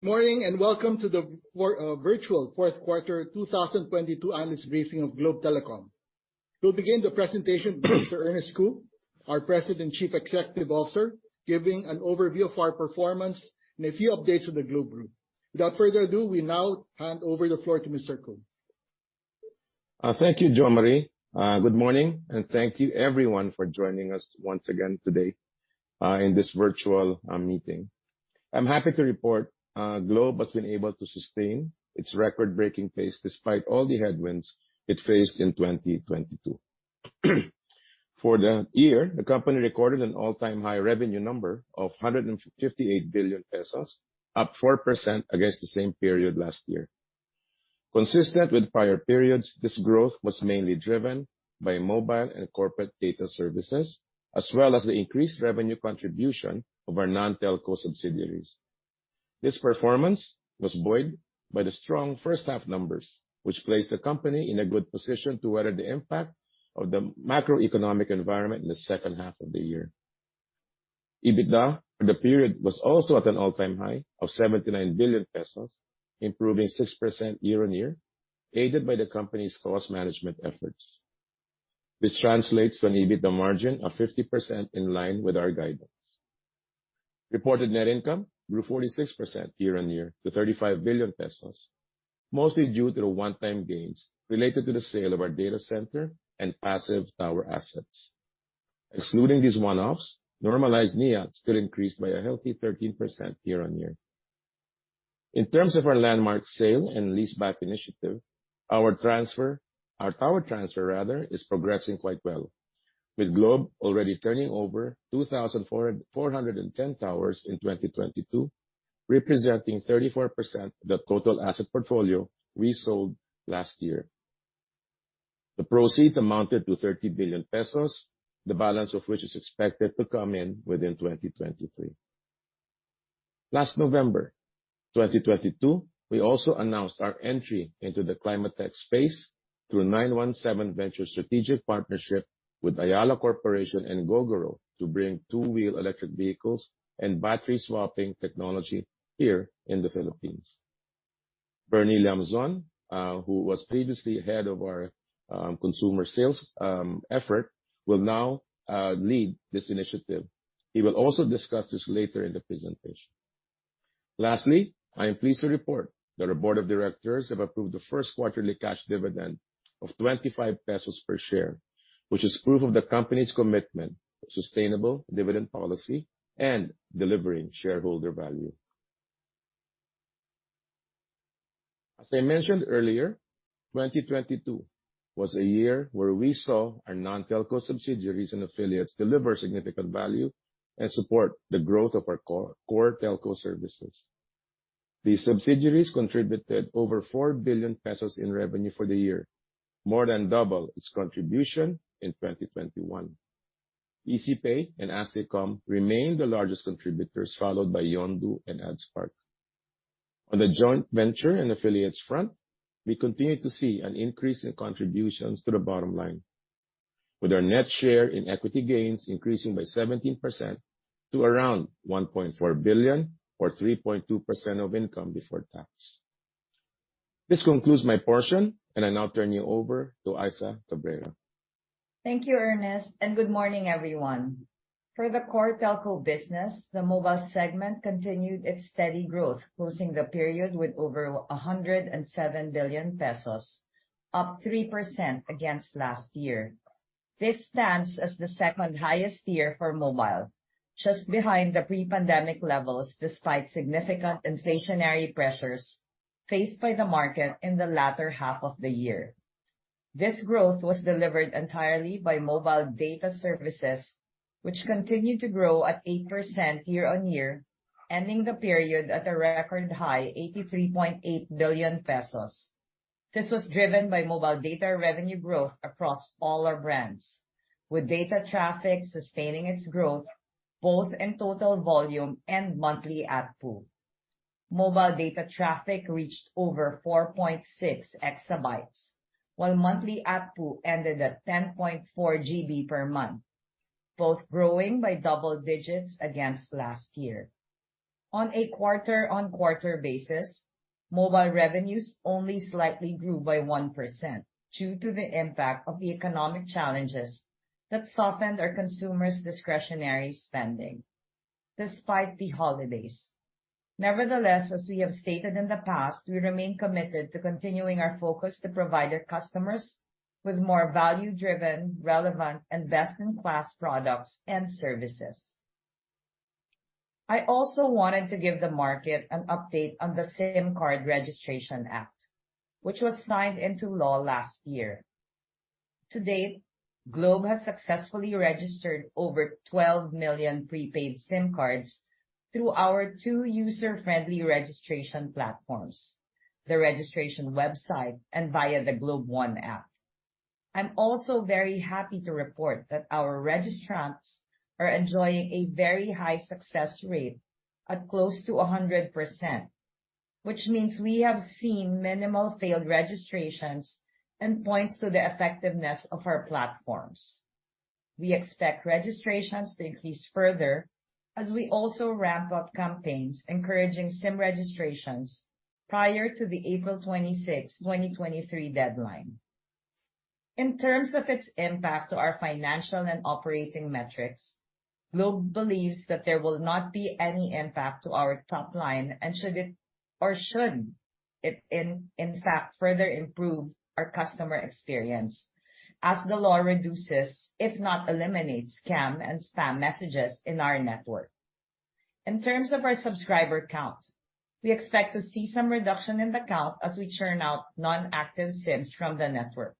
Morning, welcome to the virtual 4th quarter 2022 analyst briefing of Globe Telecom. We'll begin the presentation with Sir Ernest Cu, our President Chief Executive Officer, giving an overview of our performance and a few updates on the Globe group. Without further ado, we now hand over the floor to Mr. Cu. Thank you, Jomari. Good morning, thank you everyone for joining us once again today in this virtual meeting. I'm happy to report, Globe has been able to sustain its record-breaking pace despite all the headwinds it faced in 2022. For the year, the company recorded an all-time high revenue number of 158 billion pesos, up 4% against the same period last year. Consistent with prior periods, this growth was mainly driven by mobile and corporate data services, as well as the increased revenue contribution of our non-telco subsidiaries. This performance was buoyed by the strong first half numbers, which placed the company in a good position to weather the impact of the macroeconomic environment in the second half of the year. EBITDA for the period was also at an all-time high of 79 billion pesos, improving 6% year-on-year, aided by the company's cost management efforts. This translates an EBITDA margin of 50% in line with our guidance. Reported net income grew 46% year-on-year to 35 billion pesos, mostly due to one-time gains related to the sale of our data center and passive tower assets. Excluding these one-offs, normalized NIAT still increased by a healthy 13% year-on-year. In terms of our landmark sale and leaseback initiative, our tower transfer rather, is progressing quite well. With Globe already turning over 2,410 towers in 2022, representing 34% the total asset portfolio we sold last year. The proceeds amounted to 30 billion pesos, the balance of which is expected to come in within 2023. Last November 2022, we also announced our entry into the climate tech space through 917Ventures strategic partnership with Ayala Corporation and Gogoro to bring two-wheel electric vehicles and battery swapping technology here in the Philippines. Bernie Llamzon, who was previously head of our consumer sales effort, will now lead this initiative. He will also discuss this later in the presentation. Lastly, I am pleased to report that our board of directors have approved the first quarterly cash dividend of 25 pesos per share, which is proof of the company's commitment to sustainable dividend policy and delivering shareholder value. As I mentioned earlier, 2022 was a year where we saw our non-telco subsidiaries and affiliates deliver significant value and support the growth of our core telco services. These subsidiaries contributed over 4 billion pesos in revenue for the year, more than double its contribution in 2021. ECPay and Asticom remain the largest contributors, followed by Yondu and AdSpark. On the joint venture and affiliates front, we continue to see an increase in contributions to the bottom line, with our net share in equity gains increasing by 17% to around 1.4 billion or 3.2% of income before tax. I now turn you over to Issa Cabrera. Thank you, Ernest. Good morning, everyone. For the core telco business, the mobile segment continued its steady growth, closing the period with over 107 billion pesos, up 3% against last year. This stands as the second highest year for mobile, just behind the pre-pandemic levels, despite significant inflationary pressures faced by the market in the latter half of the year. This growth was delivered entirely by mobile data services, which continued to grow at 8% year-on-year, ending the period at a record high 83.8 billion pesos. This was driven by mobile data revenue growth across all our brands, with data traffic sustaining its growth both in total volume and monthly ARPU. Mobile data traffic reached over 4.6 exabytes, while monthly ARPU ended at 10.4 GB per month, both growing by double digits against last year. On a quarter-on-quarter basis, mobile revenues only slightly grew by 1% due to the impact of the economic challenges that softened our consumers' discretionary spending despite the holidays. As we have stated in the past, we remain committed to continuing our focus to provide our customers with more value-driven, relevant, and best-in-class products and services. I also wanted to give the market an update on the SIM Card Registration Act, which was signed into law last year. To date, Globe has successfully registered over 12 million prepaid SIM cards through our two user-friendly registration platforms, the registration website and via the GlobeOne app. I'm also very happy to report that our registrants are enjoying a very high success rate at close to a 100%, which means we have seen minimal failed registrations and points to the effectiveness of our platforms. We expect registrations to increase further as we also ramp up campaigns encouraging SIM registrations prior to the April 26, 2023 deadline. In terms of its impact to our financial and operating metrics, Globe believes that there will not be any impact to our top line and should it, in fact, further improve our customer experience as the law reduces, if not eliminates scam and spam messages in our network. In terms of our subscriber count, we expect to see some reduction in the count as we churn out non-active SIMs from the network.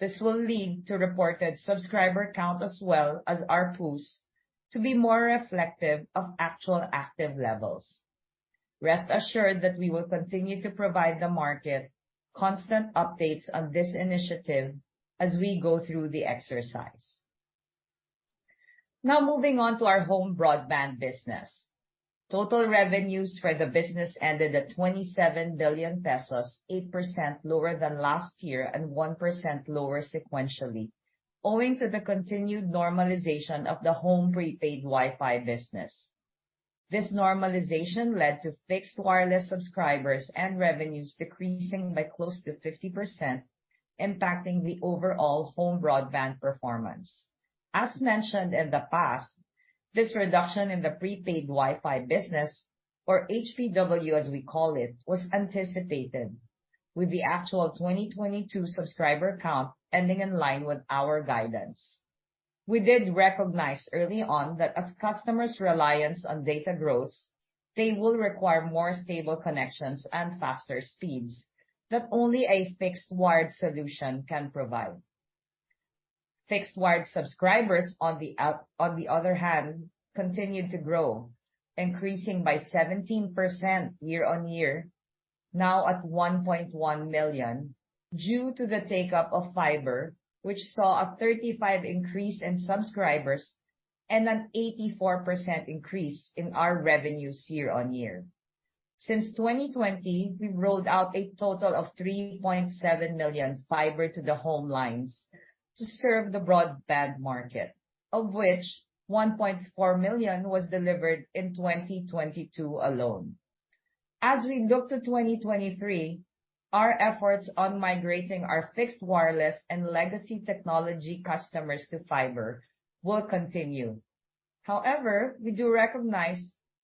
This will lead to reported subscriber count as well as ARPUs to be more reflective of actual active levels. Rest assured that we will continue to provide the market constant updates on this initiative as we go through the exercise. Moving on to our home broadband business. Total revenues for the business ended at 27 billion pesos, 8% lower than last year and 1% lower sequentially, owing to the continued normalization of the home prepaid Wi-Fi business. This normalization led to fixed wireless subscribers and revenues decreasing by close to 50%, impacting the overall home broadband performance. As mentioned in the past, this reduction in the prepaid Wi-Fi business or HPW, as we call it, was anticipated with the actual 2022 subscriber count ending in line with our guidance. We did recognize early on that as customers' reliance on data grows, they will require more stable connections and faster speeds that only a fixed wired solution can provide. Fixed wired subscribers on the other hand, continued to grow, increasing by 17% year-over-year, now at 1.1 million, due to the take-up of fiber, which saw a 35 increase in subscribers and an 84% increase in our revenues year-over-year. Since 2020, we've rolled out a total of 3.7 million fiber to the home lines to serve the broadband market, of which 1.4 million was delivered in 2022 alone. We look to 2023, our efforts on migrating our fixed wireless and legacy technology customers to fiber will continue. However, we do recognize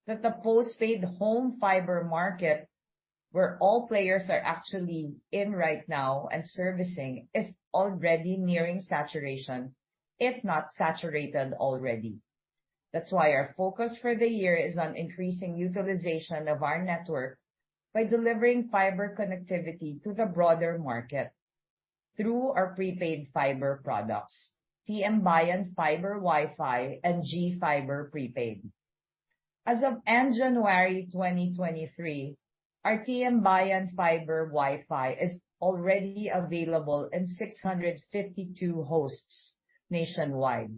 that the postpaid home fiber market, where all players are actually in right now and servicing, is already nearing saturation, if not saturated already. Our focus for the year is on increasing utilization of our network by delivering fiber connectivity to the broader market through our prepaid fiber products, TM Bayan Fiber WiFi and GFiber Prepaid. As of end January 2023, our TM Bayan Fiber WiFi is already available in 652 hosts nationwide.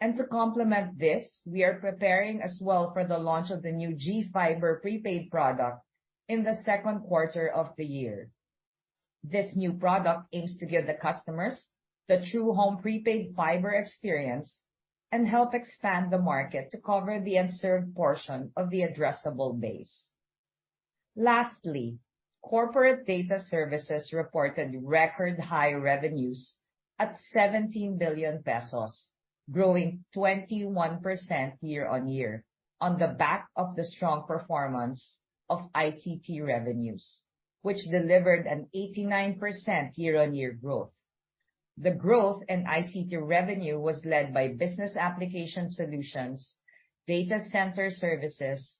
To complement this, we are preparing as well for the launch of the new GFiber Prepaid product in the second quarter of the year. This new product aims to give the customers the true home prepaid fiber experience and help expand the market to cover the unserved portion of the addressable base. Lastly, corporate data services reported record high revenues at 17 billion pesos, growing 21% year-on-year on the back of the strong performance of ICT revenues, which delivered an 89% year-on-year growth. The growth in ICT revenue was led by business application solutions, data center services,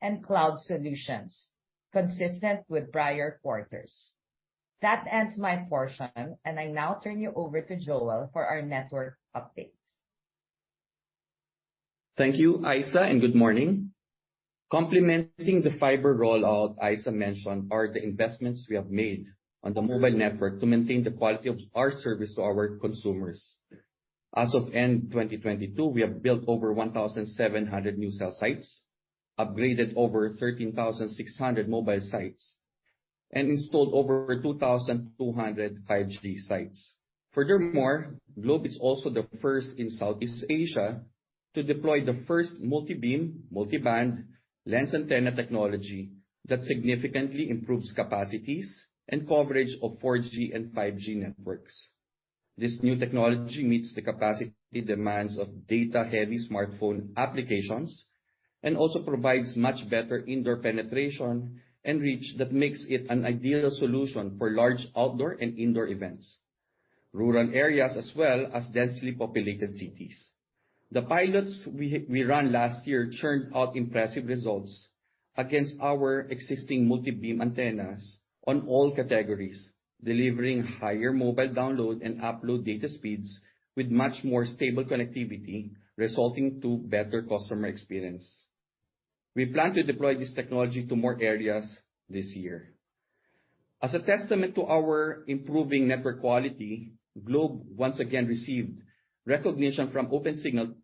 and cloud solutions, consistent with prior quarters. That ends my portion, and I now turn you over to Joel for our network updates. Thank you, Issa. Good morning. Complementing the fiber rollout Issa mentioned are the investments we have made on the mobile network to maintain the quality of our service to our consumers. As of end 2022, we have built over 1,700 new cell sites, upgraded over 13,600 mobile sites, and installed over 2,200 5G sites. Globe is also the first in Southeast Asia to deploy the first multi-beam, multi-band lens antenna technology that significantly improves capacities and coverage of 4G and 5G networks. This new technology meets the capacity demands of data-heavy smartphone applications and also provides much better indoor penetration and reach that makes it an ideal solution for large outdoor and indoor events, rural areas as well as densely populated cities. The pilots we ran last year churned out impressive results against our existing multi-beam antennas on all categories, delivering higher mobile download and upload data speeds with much more stable connectivity, resulting to better customer experience. We plan to deploy this technology to more areas this year. As a testament to our improving network quality, Globe once again received recognition from Opensignal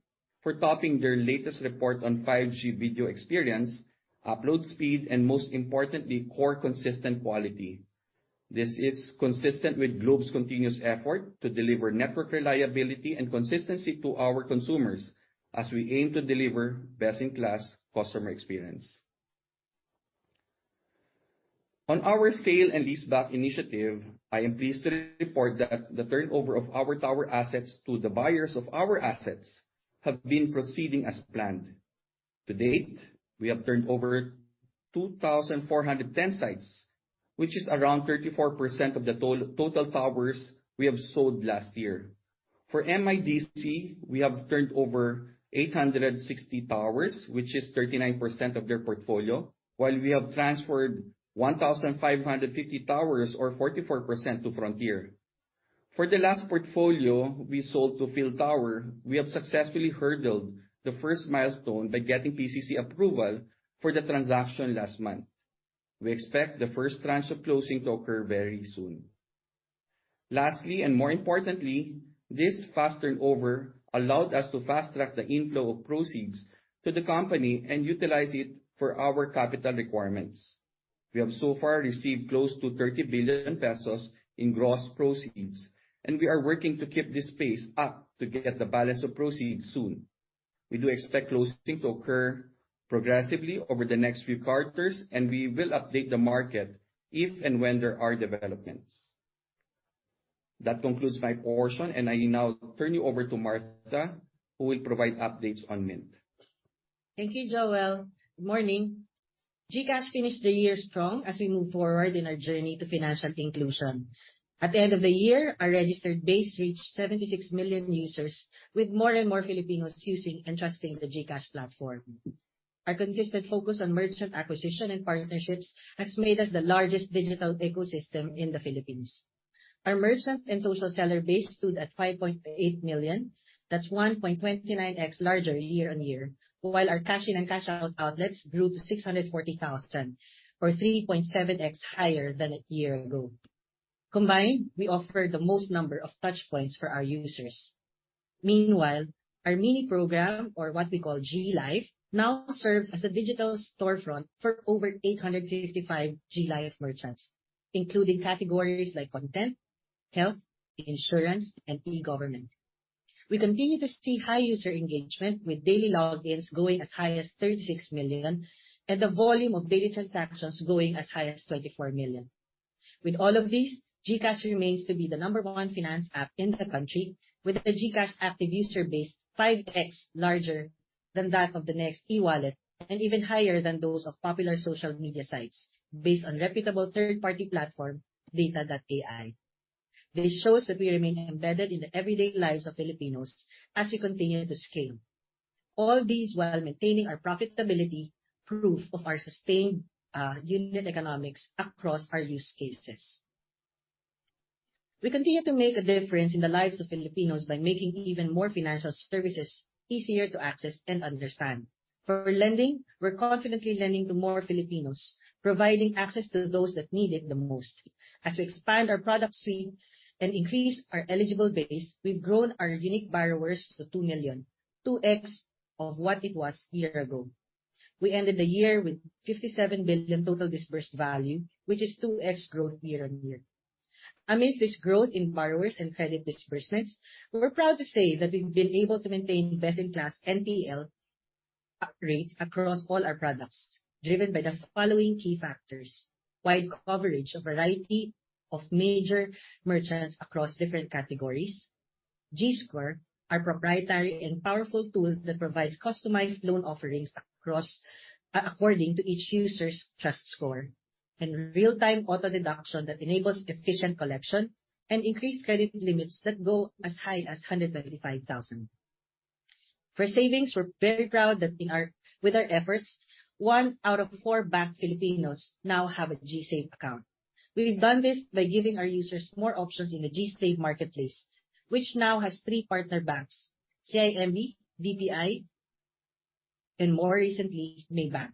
for topping their latest report on 5G video experience, upload speed, and most importantly, core consistent quality. This is consistent with Globe's continuous effort to deliver network reliability and consistency to our consumers as we aim to deliver best in class customer experience. On our sale and leaseback initiative, I am pleased to report that the turnover of our tower assets to the buyers of our assets have been proceeding as planned. To date, we have turned over 2,410 sites, which is around 34% of the total towers we have sold last year. For MIDC, we have turned over 860 towers, which is 39% of their portfolio, while we have transferred 1,550 towers or 44% to Frontier. For the last portfolio we sold to PhilTower, we have successfully hurdled the first milestone by getting PCC approval for the transaction last month. We expect the first tranche of closing to occur very soon. Lastly, and more importantly, this fast turnover allowed us to fast-track the inflow of proceeds to the company and utilize it for our capital requirements. We have so far received close to 30 billion pesos in gross proceeds. We are working to keep this pace up to get the balance of proceeds soon. We do expect closing to occur progressively over the next few quarters. We will update the market if and when there are developments. That concludes my portion. I now turn you over to Martha, who will provide updates on Mynt. Thank you, Joel. Good morning. GCash finished the year strong as we move forward in our journey to financial inclusion. At the end of the year, our registered base reached 76 million users, with more and more Filipinos using and trusting the GCash platform. Our consistent focus on merchant acquisition and partnerships has made us the largest digital ecosystem in the Philippines. Our merchant and social seller base stood at 5.8 million. That's 1.29x larger year-on-year. While our cash in and cash out outlets grew to 640,000 or 3.7x higher than a year ago. Combined, we offer the most number of touchpoints for our users. Meanwhile, our mini program or what we call GLife, now serves as a digital storefront for over 855 GLife merchants, including categories like content, health, insurance and e-government. We continue to see high user engagement with daily logins going as high as 36 million and the volume of daily transactions going as high as 24 million. With all of these, GCash remains to be the number one finance app in the country, with the GCash active user base 5x larger than that of the next e-wallet and even higher than those of popular social media sites based on reputable third-party platform, data.ai. This shows that we remain embedded in the everyday lives of Filipinos as we continue to scale. All these while maintaining our profitability, proof of our sustained unit economics across our use cases. We continue to make a difference in the lives of Filipinos by making even more financial services easier to access and understand. For lending, we're confidently lending to more Filipinos, providing access to those that need it the most. As we expand our product suite and increase our eligible base, we've grown our unique borrowers to 2 million, 2x of what it was a year ago. We ended the year with 57 billion total disbursed value, which is 2x growth year-on-year. Amidst this growth in borrowers and credit disbursements, we're proud to say that we've been able to maintain best-in-class NPL rates across all our products, driven by the following key factors: wide coverage, a variety of major merchants across different categories. GScore, our proprietary and powerful tool that provides customized loan offerings according to each user's trust score and real-time auto deduction that enables efficient collection and increased credit limits that go as high as 135,000. For savings, we're very proud that with our efforts, one out of four banked Filipinos now have a GSave account. We've done this by giving our users more options in the GSave marketplace, which now has 3 partner banks, CIMB, BPI and more recently, Maybank.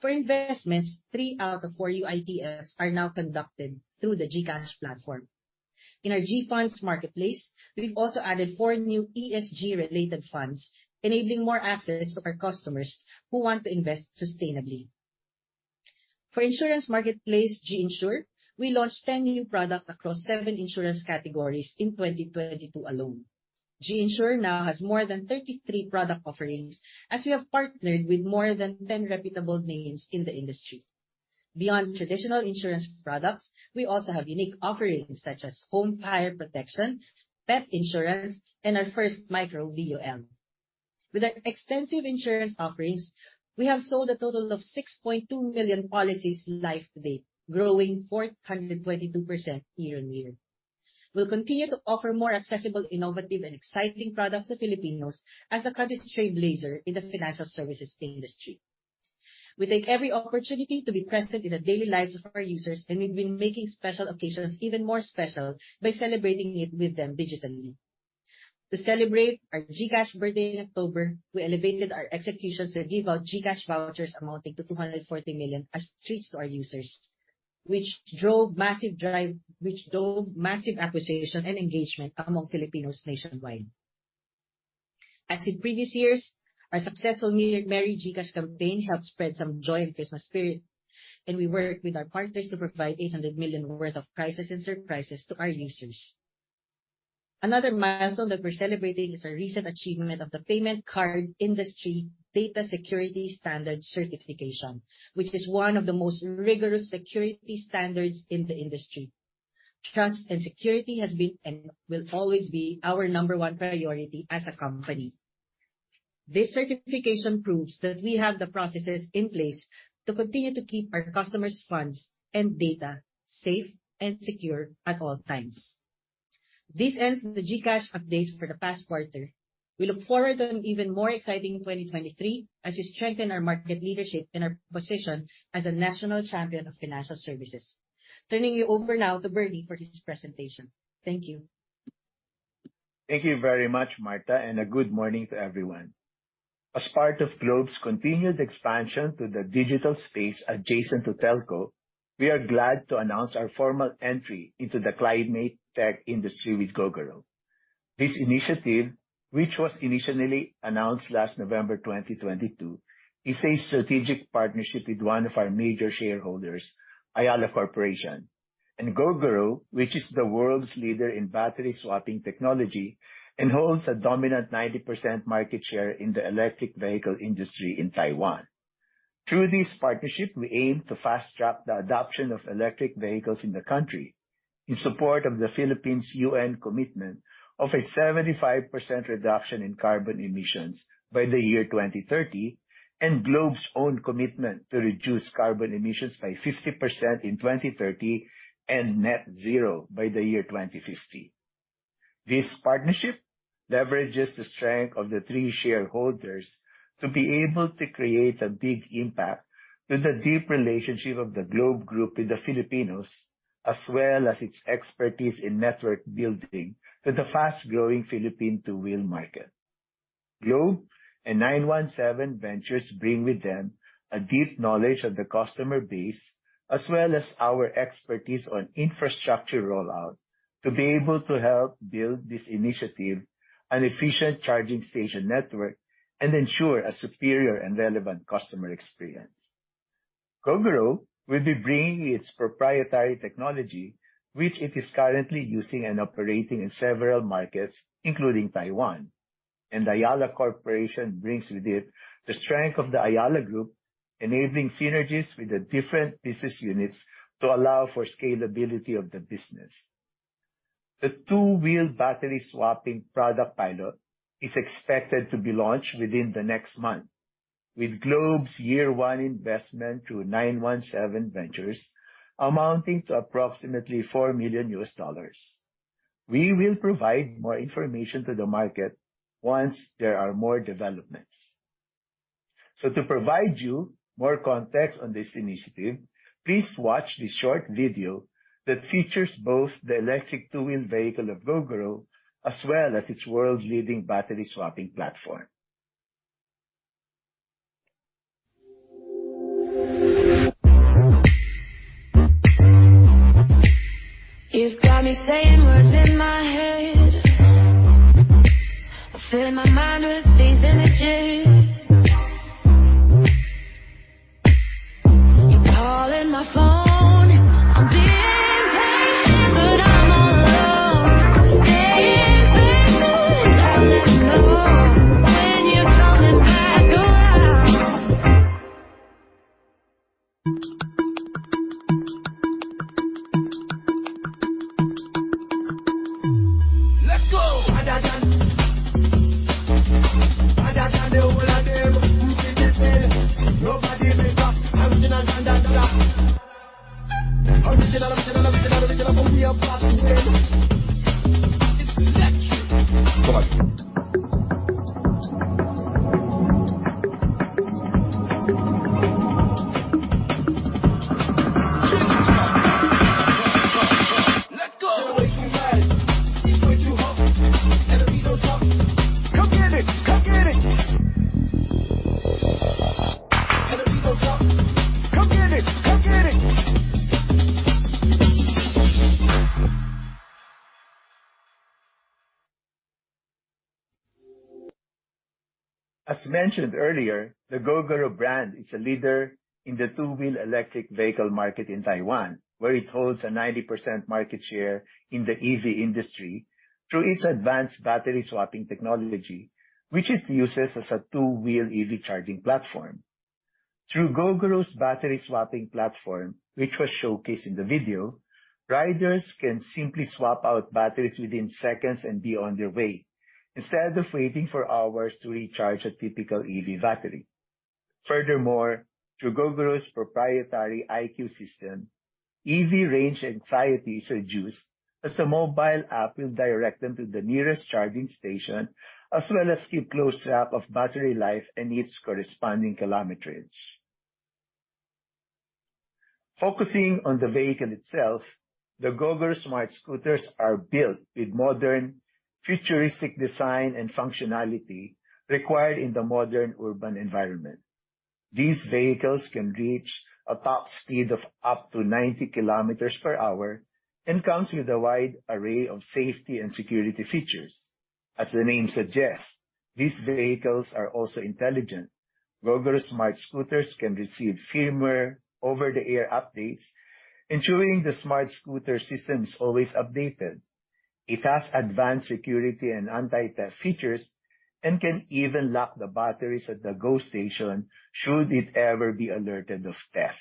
For investments, three out of four UITFs are now conducted through the GCash platform. In our GFunds marketplace, we've also added four new ESG related funds, enabling more access to our customers who want to invest sustainably. For insurance marketplace, GInsure, we launched 10 new products across seven insurance categories in 2022 alone. GInsure now has more than 33 product offerings as we have partnered with more than 10 reputable names in the industry. Beyond traditional insurance products, we also have unique offerings such as home fire protection, pet insurance and our first micro VUL. With our extensive insurance offerings, we have sold a total of 6.2 million policies live to date, growing 422% year-on-year. We'll continue to offer more accessible, innovative and exciting products to Filipinos as a registered trailblazer in the financial services industry. We take every opportunity to be present in the daily lives of our users, and we've been making special occasions even more special by celebrating it with them digitally. To celebrate our GCash birthday in October, we elevated our execution to give out GCash vouchers amounting to 240 million as treats to our users, which drove massive acquisition and engagement among Filipinos nationwide. As in previous years, our successful Million Merry GCash campaign helped spread some joy and Christmas spirit, and we worked with our partners to provide 800 million worth of prizes and surprises to our users. Another milestone that we're celebrating is our recent achievement of the Payment Card Industry Data Security Standard certification, which is 1 of the most rigorous security standards in the industry. Trust and security has been and will always be our number 1 priority as a company. This certification proves that we have the processes in place to continue to keep our customers' funds and data safe and secure at all times. This ends the GCash updates for the past quarter. We look forward to an even more exciting 2023 as we strengthen our market leadership and our position as a national champion of financial services. Turning you over now to Bernie for his presentation. Thank you. Thank you very much, Martha, and a good morning to everyone. As part of Globe's continued expansion to the digital space adjacent to Telco, we are glad to announce our formal entry into the climate tech industry with Gogoro. This initiative, which was initially announced last November 2022, is a strategic partnership with one of our major shareholders, Ayala Corporation. Gogoro, which is the world's leader in battery swapping technology and holds a dominant 90% market share in the electric vehicle industry in Taiwan. Through this partnership, we aim to fast-track the adoption of electric vehicles in the country in support of the Philippines UN commitment of a 75% reduction in carbon emissions by the year 2030 and Globe's own commitment to reduce carbon emissions by 50% in 2030 and net zero by the year 2050. This partnership leverages the strength of the three shareholders to be able to create a big impact with the deep relationship of the Globe Group with the Filipinos, as well as its expertise in network building with the fast-growing Philippine two-wheel market. Globe and 917Ventures bring with them a deep knowledge of the customer base as well as our expertise on infrastructure rollout to be able to help build this initiative an efficient charging station network and ensure a superior and relevant customer experience. Gogoro will be bringing its proprietary technology, which it is currently using and operating in several markets, including Taiwan. Ayala Corporation brings with it the strength of the Ayala Group, enabling synergies with the different business units to allow for scalability of the business. The two-wheel battery swapping product pilot is expected to be launched within the next month with Globe's year one investment through 917Ventures amounting to approximately $4 million. We will provide more information to the market once there are more developments. To provide you more context on this initiative, please watch this short video that features both the electric two-wheel vehicle of Gogoro as well as its world-leading battery swapping platform. As mentioned earlier, the Gogoro brand is a leader in the two-wheel electric vehicle market in Taiwan, where it holds a 90% market share in the EV industry through its advanced battery swapping technology, which it uses as a two-wheel EV charging platform. Through Gogoro's battery swapping platform, which was showcased in the video, riders can simply swap out batteries within seconds and be on their way instead of waiting for hours to recharge a typical EV battery. Furthermore, through Gogoro's proprietary iQ System, EV range anxiety is reduced as the mobile app will direct them to the nearest charging station as well as keep close track of battery life and its corresponding kilometerage. Focusing on the vehicle itself, the Gogoro smart scooters are built with modern, futuristic design and functionality required in the modern urban environment. These vehicles can reach a top speed of up to 90 kilometers per hour and comes with a wide array of safety and security features. As the name suggests, these vehicles are also intelligent. Gogoro smart scooters can receive firmware over-the-air updates, ensuring the smart scooter system is always updated. It has advanced security and anti-theft features and can even lock the batteries at the GoStation should it ever be alerted of theft.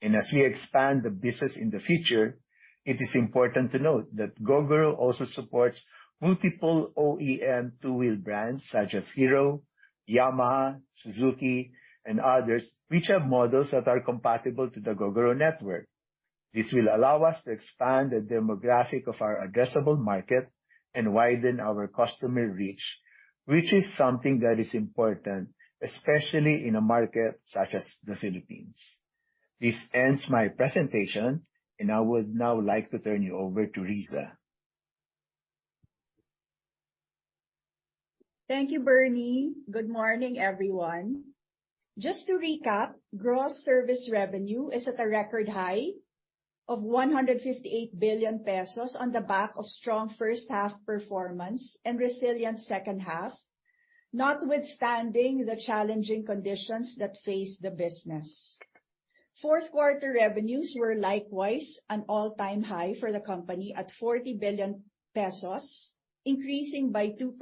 As we expand the business in the future, it is important to note that Gogoro also supports multiple OEM two-wheel brands such as Hero, Yamaha, Suzuki, and others, which have models that are compatible to the Gogoro network. This will allow us to expand the demographic of our addressable market and widen our customer reach, which is something that is important, especially in a market such as the Philippines. This ends my presentation. I would now like to turn you over to Rizza. Thank you, Bernie. Good morning, everyone. Just to recap, gross service revenue is at a record high of 158 billion pesos on the back of strong first half performance and resilient second half, notwithstanding the challenging conditions that face the business. Fourth quarter revenues were likewise an all-time high for the company at 40 billion pesos, increasing by 2%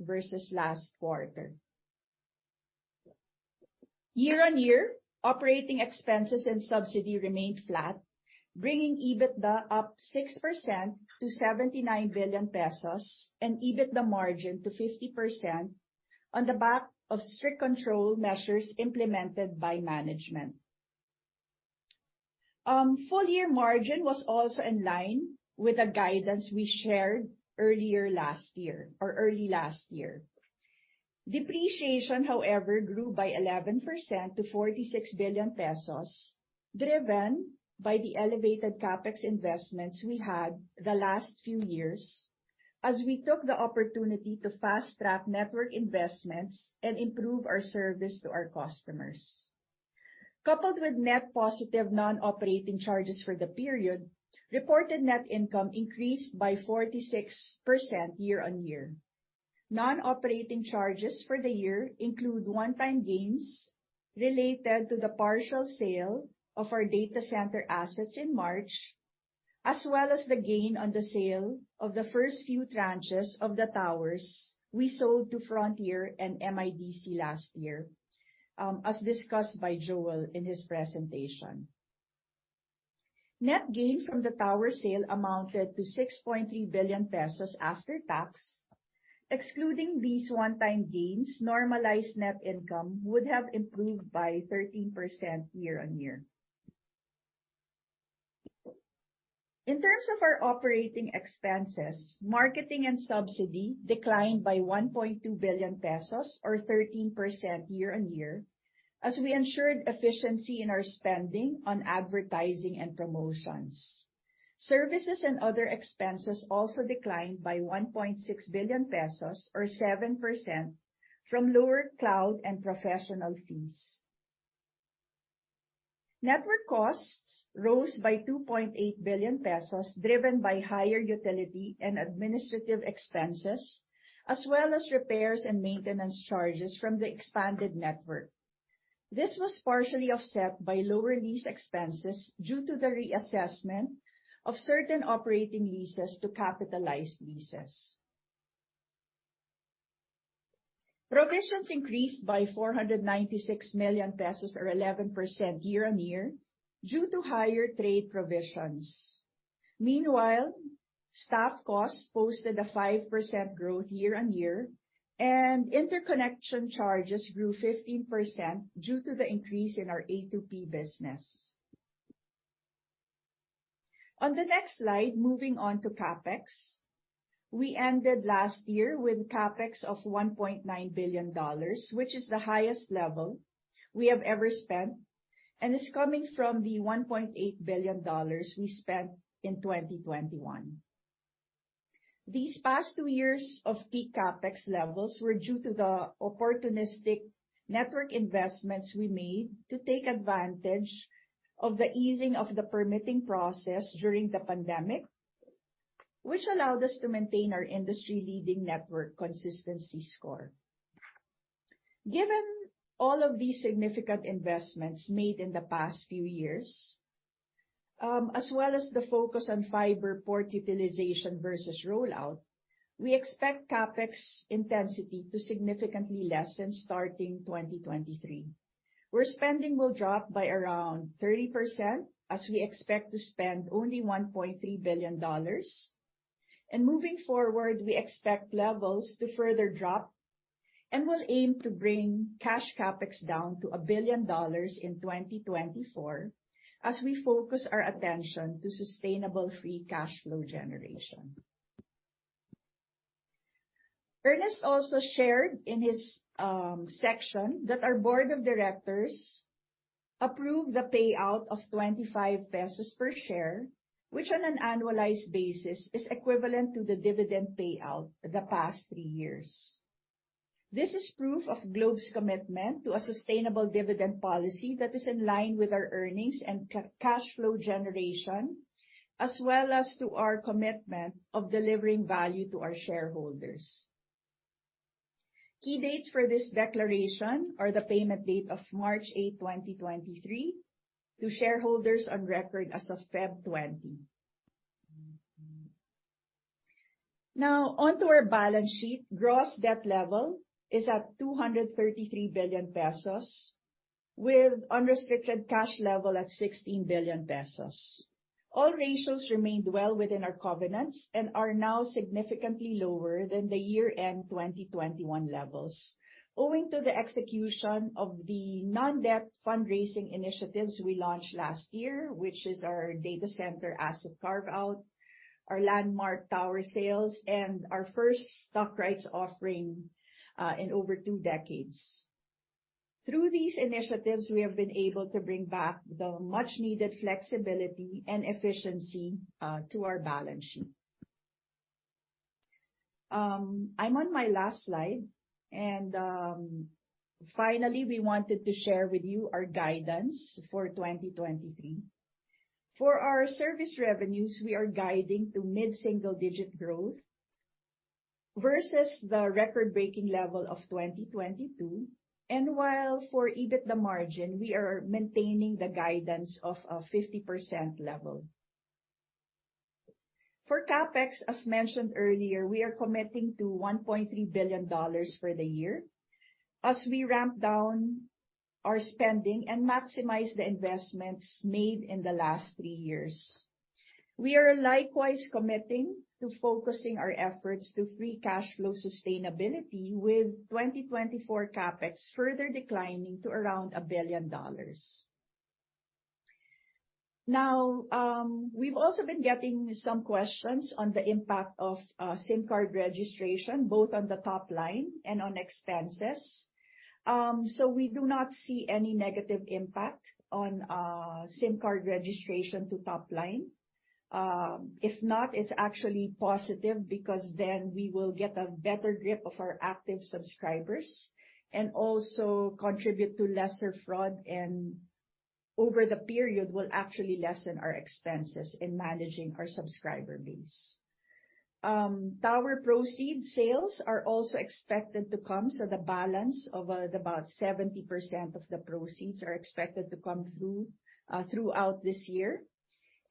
versus last quarter. Year-on-year, operating expenses and subsidy remained flat, bringing EBITDA up 6% to 79 billion pesos and EBITDA margin to 50% on the back of strict control measures implemented by management. Full year margin was also in line with the guidance we shared earlier last year or early last year. Depreciation, however, grew by 11% to 46 billion pesos, driven by the elevated CapEx investments we had the last few years as we took the opportunity to fast-track network investments and improve our service to our customers. Coupled with net positive non-operating charges for the period, reported net income increased by 46% year on year. Non-operating charges for the year include one-time gains related to the partial sale of our data center assets in March, as well as the gain on the sale of the first few tranches of the towers we sold to Frontier and MIDC last year, as discussed by Joel in his presentation. Net gain from the tower sale amounted to 6.3 billion pesos after tax. Excluding these one-time gains, normalized net income would have improved by 13% year on year. In terms of our operating expenses, marketing and subsidy declined by 1.2 billion pesos or 13% year-over-year as we ensured efficiency in our spending on advertising and promotions. Services and other expenses also declined by 1.6 billion pesos or 7% from lower cloud and professional fees. Network costs rose by 2.8 billion pesos, driven by higher utility and administrative expenses as well as repairs and maintenance charges from the expanded network. This was partially offset by lower lease expenses due to the reassessment of certain operating leases to capitalized leases. Provisions increased by 496 million pesos or 11% year-over-year due to higher trade provisions. Meanwhile, staff costs posted a 5% growth year-over-year, and interconnection charges grew 15% due to the increase in our A2P business. On the next slide, moving on to CapEx, we ended last year with CapEx of $1.9 billion, which is the highest level we have ever spent and is coming from the $1.8 billion we spent in 2021. These past two years of peak CapEx levels were due to the opportunistic network investments we made to take advantage of the easing of the permitting process during the pandemic, which allowed us to maintain our industry leading network consistency score. Given all of these significant investments made in the past few years, as well as the focus on fiber port utilization versus rollout, we expect CapEx intensity to significantly lessen starting 2023, where spending will drop by around 30% as we expect to spend only $1.3 billion. Moving forward, we expect levels to further drop and will aim to bring cash CapEx down to $1 billion in 2024 as we focus our attention to sustainable free cash flow generation. Ernest also shared in his section that our board of directors approved the payout of 25 pesos per share, which on an annualized basis is equivalent to the dividend payout the past three years. This is proof of Globe's commitment to a sustainable dividend policy that is in line with our earnings and cash flow generation, as well as to our commitment of delivering value to our shareholders. Key dates for this declaration are the payment date of March 8, 2023 to shareholders on record as of February 20. Onto our balance sheet. Gross debt level is at 233 billion pesos with unrestricted cash level at 16 billion pesos. All ratios remained well within our covenants and are now significantly lower than the year-end 2021 levels. Owing to the execution of the non-debt fundraising initiatives we launched last year, which is our data center asset carve-out, our landmark tower sales, and our first stock rights offering in over two decades. Through these initiatives, we have been able to bring back the much needed flexibility and efficiency to our balance sheet. I'm on my last slide and, finally, we wanted to share with you our guidance for 2023. For our service revenues, we are guiding to mid-single digit growth versus the record-breaking level of 2022. While for EBITDA margin, we are maintaining the guidance of a 50% level. For CapEx, as mentioned earlier, we are committing to $1.3 billion for the year as we ramp down our spending and maximize the investments made in the last 3 years. We are likewise committing to focusing our efforts to free cash flow sustainability with 2024 CapEx further declining to around $1 billion. We've also been getting some questions on the impact of SIM card registration, both on the top line and on expenses. We do not see any negative impact on SIM card registration to top line. If not, it's actually positive because then we will get a better grip of our active subscribers and also contribute to lesser fraud and over the period will actually lessen our expenses in managing our subscriber base. Tower proceed sales are also expected to come, the balance of about 70% of the proceeds are expected to come through throughout this year.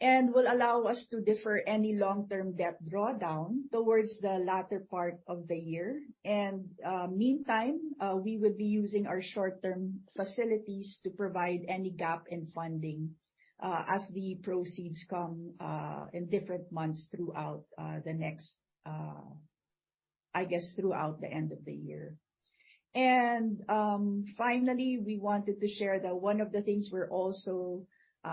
Will allow us to defer any long-term debt drawdown towards the latter part of the year. Meantime, we would be using our short-term facilities to provide any gap in funding as the proceeds come in different months throughout the next throughout the end of the year. Finally, we wanted to share that one of the things we're also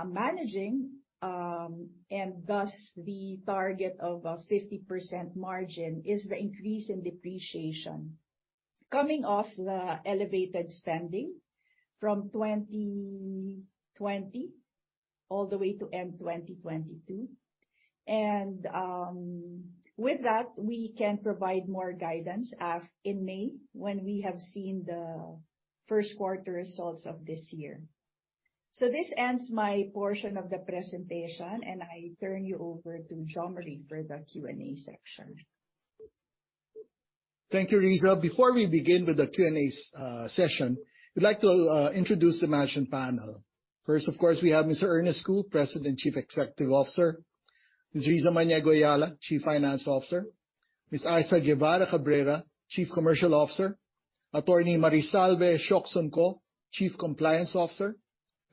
managing, and thus the target of a 50% margin, is the increase in depreciation coming off the elevated spending from 2020 all the way to end 2022.With that, we can provide more guidance in May when we have seen the first quarter results of this year. This ends my portion of the presentation, and I turn you over to Jomari for the Q&A section. Thank you, Rizza. Before we begin with the Q&A session, we'd like to introduce the management panel. First, of course, we have Mr. Ernest Cu, President, Chief Executive Officer; Ms. Rizza Maniego-Eala, Chief Finance Officer; Ms. Issa Guevarra-Cabreira, Chief Commercial Officer; Attorney Marisalve Ciocson-Co, Chief Compliance Officer;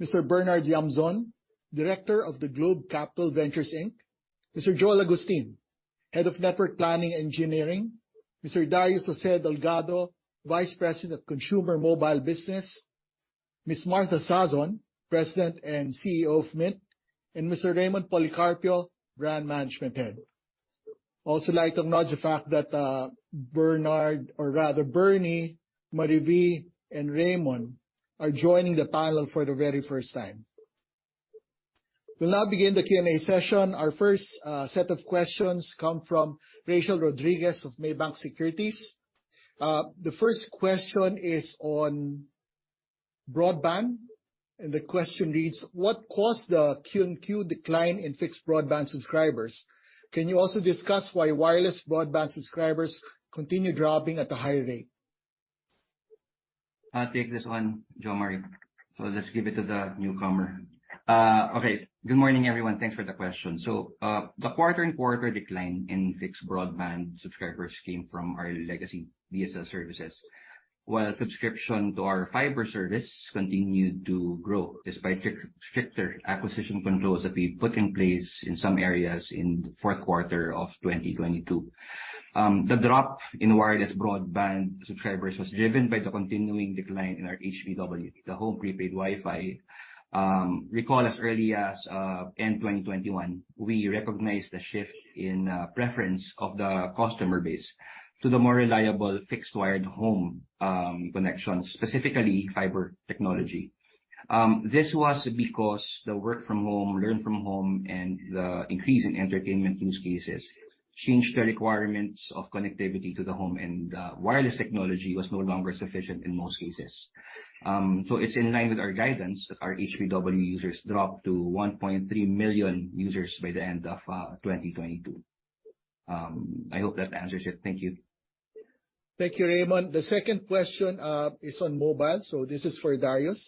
Mr. Bernard Llamzon, Director of the Globe Capital Venture Holdings, Inc.; Mr. Joel Agustin, Head of Network Planning Engineering; Mr. Darius Jose Delgado, Vice President of Consumer Mobile Business; Ms. Martha Sazon, President and CEO of Mynt; and Mr. Raymond Policarpio, Brand Management Head. Also like to acknowledge the fact that Bernard or rather Bernie, Marivi, and Raymond are joining the panel for the very first time. We'll now begin the Q&A session. Our first set of questions come from Rachelleen Rodriguez of Maybank Securities. The first question is on broadband. The question reads: What caused the Q and Q decline in fixed broadband subscribers? Can you also discuss why wireless broadband subscribers continue dropping at a high rate? I'll take this one, Jomari. Let's give it to the newcomer. Okay. Good morning, everyone. Thanks for the question. The quarter-over-quarter decline in fixed broadband subscribers came from our legacy VSL services, while subscription to our fiber service continued to grow despite stricter acquisition controls that we put in place in some areas in the fourth quarter of 2022. The drop in wireless broadband subscribers was driven by the continuing decline in our HPW, the Home Prepaid Wi-Fi. Recall as early as end 2021, we recognized the shift in preference of the customer base to the more reliable fixed wired home connections, specifically fiber technology. This was because the work from home, learn from home, and the increase in entertainment use cases changed the requirements of connectivity to the home, and wireless technology was no longer sufficient in most cases. It's in line with our guidance that our HPW users dropped to 1.3 million users by the end of 2022. I hope that answers it. Thank you. Thank you, Raymond. The second question is on mobile. This is for Darius.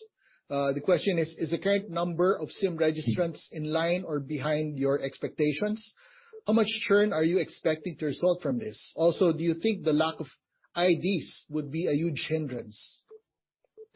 The question is: Is the current number of SIM registrants in line or behind your expectations? How much churn are you expecting to result from this? Do you think the lack of IDs would be a huge hindrance?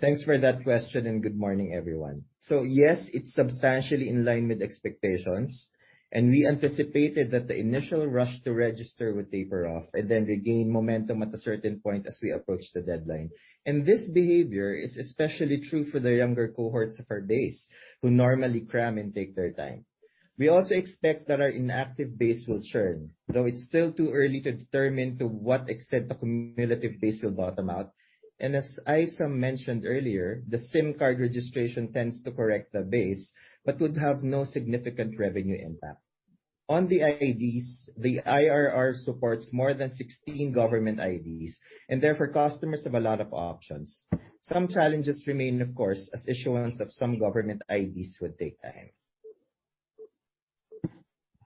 Thanks for that question, and good morning, everyone. Yes, it's substantially in line with expectations. We anticipated that the initial rush to register would taper off and then regain momentum at a certain point as we approach the deadline. This behavior is especially true for the younger cohorts of our base who normally cram and take their time. We also expect that our inactive base will churn, though it's still too early to determine to what extent the cumulative base will bottom out. As Issa mentioned earlier, the SIM card registration tends to correct the base but would have no significant revenue impact. On the IDs, the IRR supports more than 16 government IDs, and therefore customers have a lot of options. Some challenges remain, of course, as issuance of some government IDs would take time.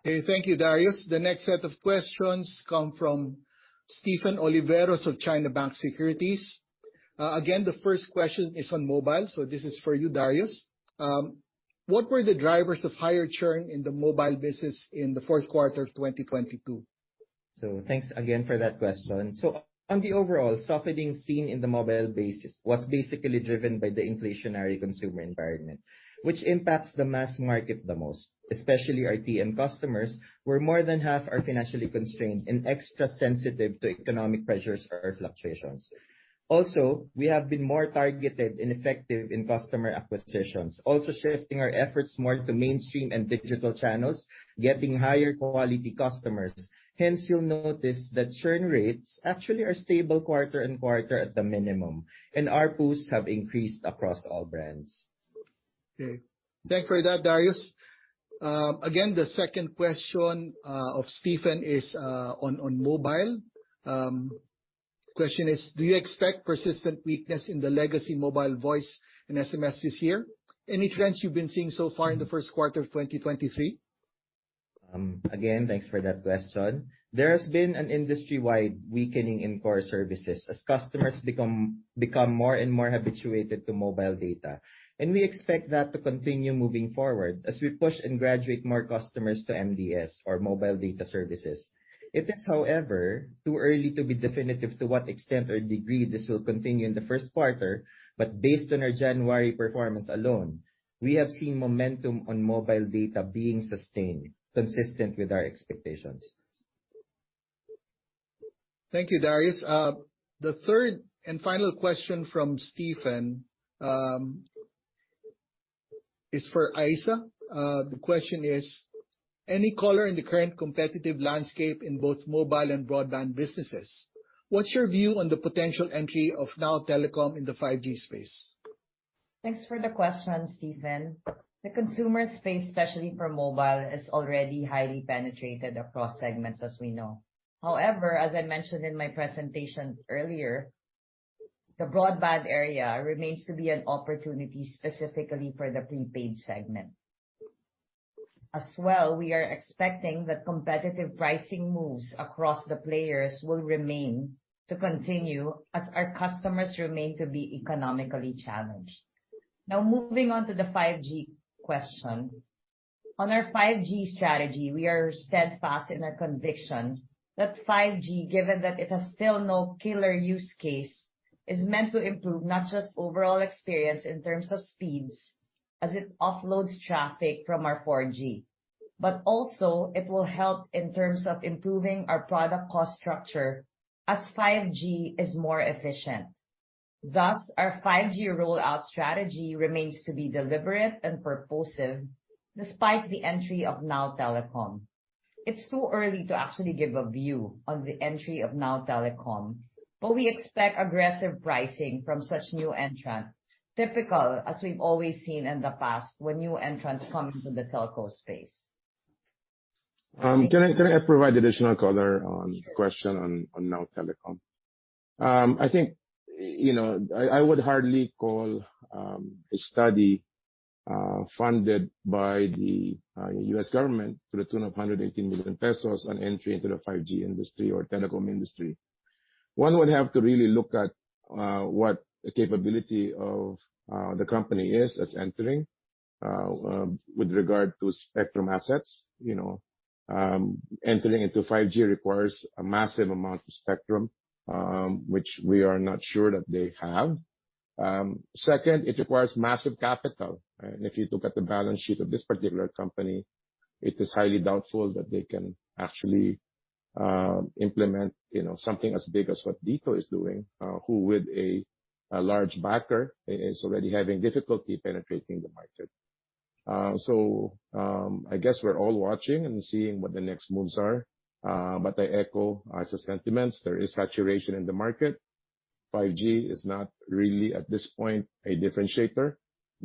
Okay. Thank you, Darius. The next set of questions come from Stephen Oliveros of China Bank Securities. Again, the first question is on mobile. This is for you, Darius. What were the drivers of higher churn in the mobile business in the fourth quarter of 2022? Thanks again for that question. On the overall, softening seen in the mobile basis was basically driven by the inflationary consumer environment, which impacts the mass market the most, especially our TM customers, where more than half are financially constrained and extra sensitive to economic pressures or fluctuations. Also, we have been more targeted and effective in customer acquisitions, also shifting our efforts more to mainstream and digital channels, getting higher quality customers. Hence, you'll notice that churn rates actually are stable quarter and quarter at the minimum, and ARPU have increased across all brands. Okay. Thanks for that, Darius. Again, the second question of Stephen is on mobile. The question is: Do you expect persistent weakness in the legacy mobile voice and SMS this year? Any trends you've been seeing so far in the first quarter of 2023? Again, thanks for that question. There has been an industry-wide weakening in core services as customers become more and more habituated to mobile data. We expect that to continue moving forward as we push and graduate more customers to MDS or Mobile Data Services. It is, however, too early to be definitive to what extent or degree this will continue in the first quarter. Based on our January performance alone, we have seen momentum on mobile data being sustained, consistent with our expectations. Thank you, Darius. The third and final question from Stephen is for Issa. The question is: Any color in the current competitive landscape in both mobile and broadband businesses? What's your view on the potential entry of NOW Telecom in the 5G space? Thanks for the question, Stephen. The consumer space, especially for mobile, is already highly penetrated across segments as we know. As I mentioned in my presentation earlier, the broadband area remains to be an opportunity specifically for the prepaid segment. As well, we are expecting that competitive pricing moves across the players will remain to continue as our customers remain to be economically challenged. Moving on to the 5G question. On our 5G strategy, we are steadfast in our conviction that 5G, given that it has still no killer use case, is meant to improve not just overall experience in terms of speeds as it offloads traffic from our 4G, but also it will help in terms of improving our product cost structure as 5G is more efficient. Our 5G rollout strategy remains to be deliberate and purposive despite the entry of NOW Telecom. It's too early to actually give a view on the entry of Now Telecom, but we expect aggressive pricing from such new entrant, typical as we've always seen in the past when new entrants come into the telco space. Can I provide additional color on question on NOW Telecom? I think, you know, I would hardly call a study funded by the U.S. government to the tune of 180 million pesos on entry into the 5G industry or telecom industry. One would have to really look at what the capability of the company is that's entering with regard to spectrum assets. You know, entering into 5G requires a massive amount of spectrum, which we are not sure that they have. Second, it requires massive capital, and if you look at the balance sheet of this particular company, it is highly doubtful that they can actually implement, you know, something as big as what DITO is doing, who, with a large backer is already having difficulty penetrating the market. I guess we're all watching and seeing what the next moves are. I echo Issa's sentiments. There is saturation in the market. 5G is not really, at this point, a differentiator,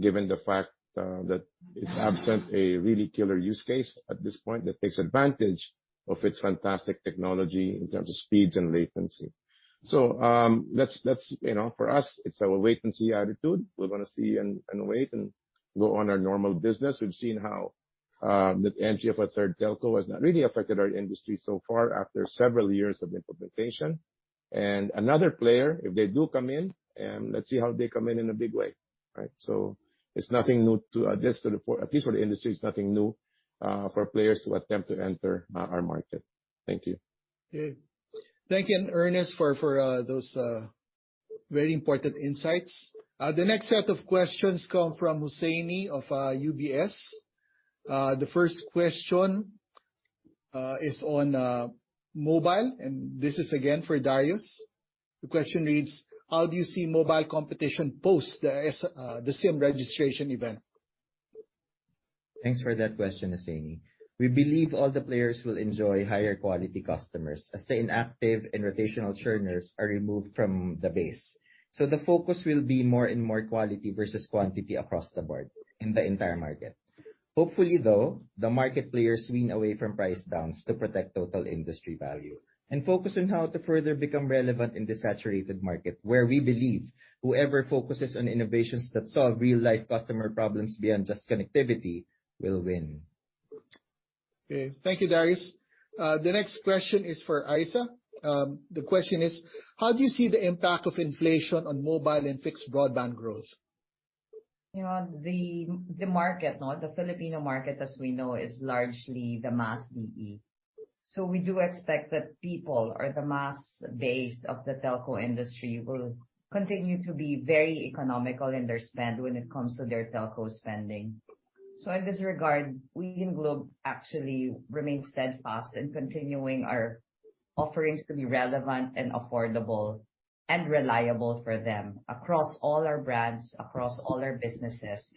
given the fact that it's absent a really killer use case at this point that takes advantage of its fantastic technology in terms of speeds and latency. Let's, you know, for us, it's our wait and see attitude. We're gonna see and wait and go on our normal business. We've seen how the entry of a third telco has not really affected our industry so far after several years of implementation. Another player, if they do come in, let's see how they come in in a big way. Right? It's nothing new to us, at least for the industry, it's nothing new, for players to attempt to enter our market. Thank you. Okay. Thank you, Ernest, for those very important insights. The next set of questions come from Hussaini of UBS. The first question is on mobile, and this is again for Darius. The question reads: How do you see mobile competition post the SIM Registration event? Thanks for that question, Hussaini. We believe all the players will enjoy higher quality customers as the inactive and rotational churners are removed from the base. The focus will be more and more quality versus quantity across the board in the entire market. Hopefully, though, the market players wean away from price downs to protect total industry value and focus on how to further become relevant in the saturated market, where we believe whoever focuses on innovations that solve real-life customer problems beyond just connectivity will win. Okay. Thank you, Darius. The next question is for Issa. The question is: How do you see the impact of inflation on mobile and fixed broadband growth? You know, the market, no, the Filipino market, as we know, is largely the mass VE. We do expect that people or the mass base of the telco industry will continue to be very economical in their spend when it comes to their telco spending. In this regard, we in Globe actually remain steadfast in continuing our offerings to be relevant and affordable and reliable for them across all our brands, across all our businesses,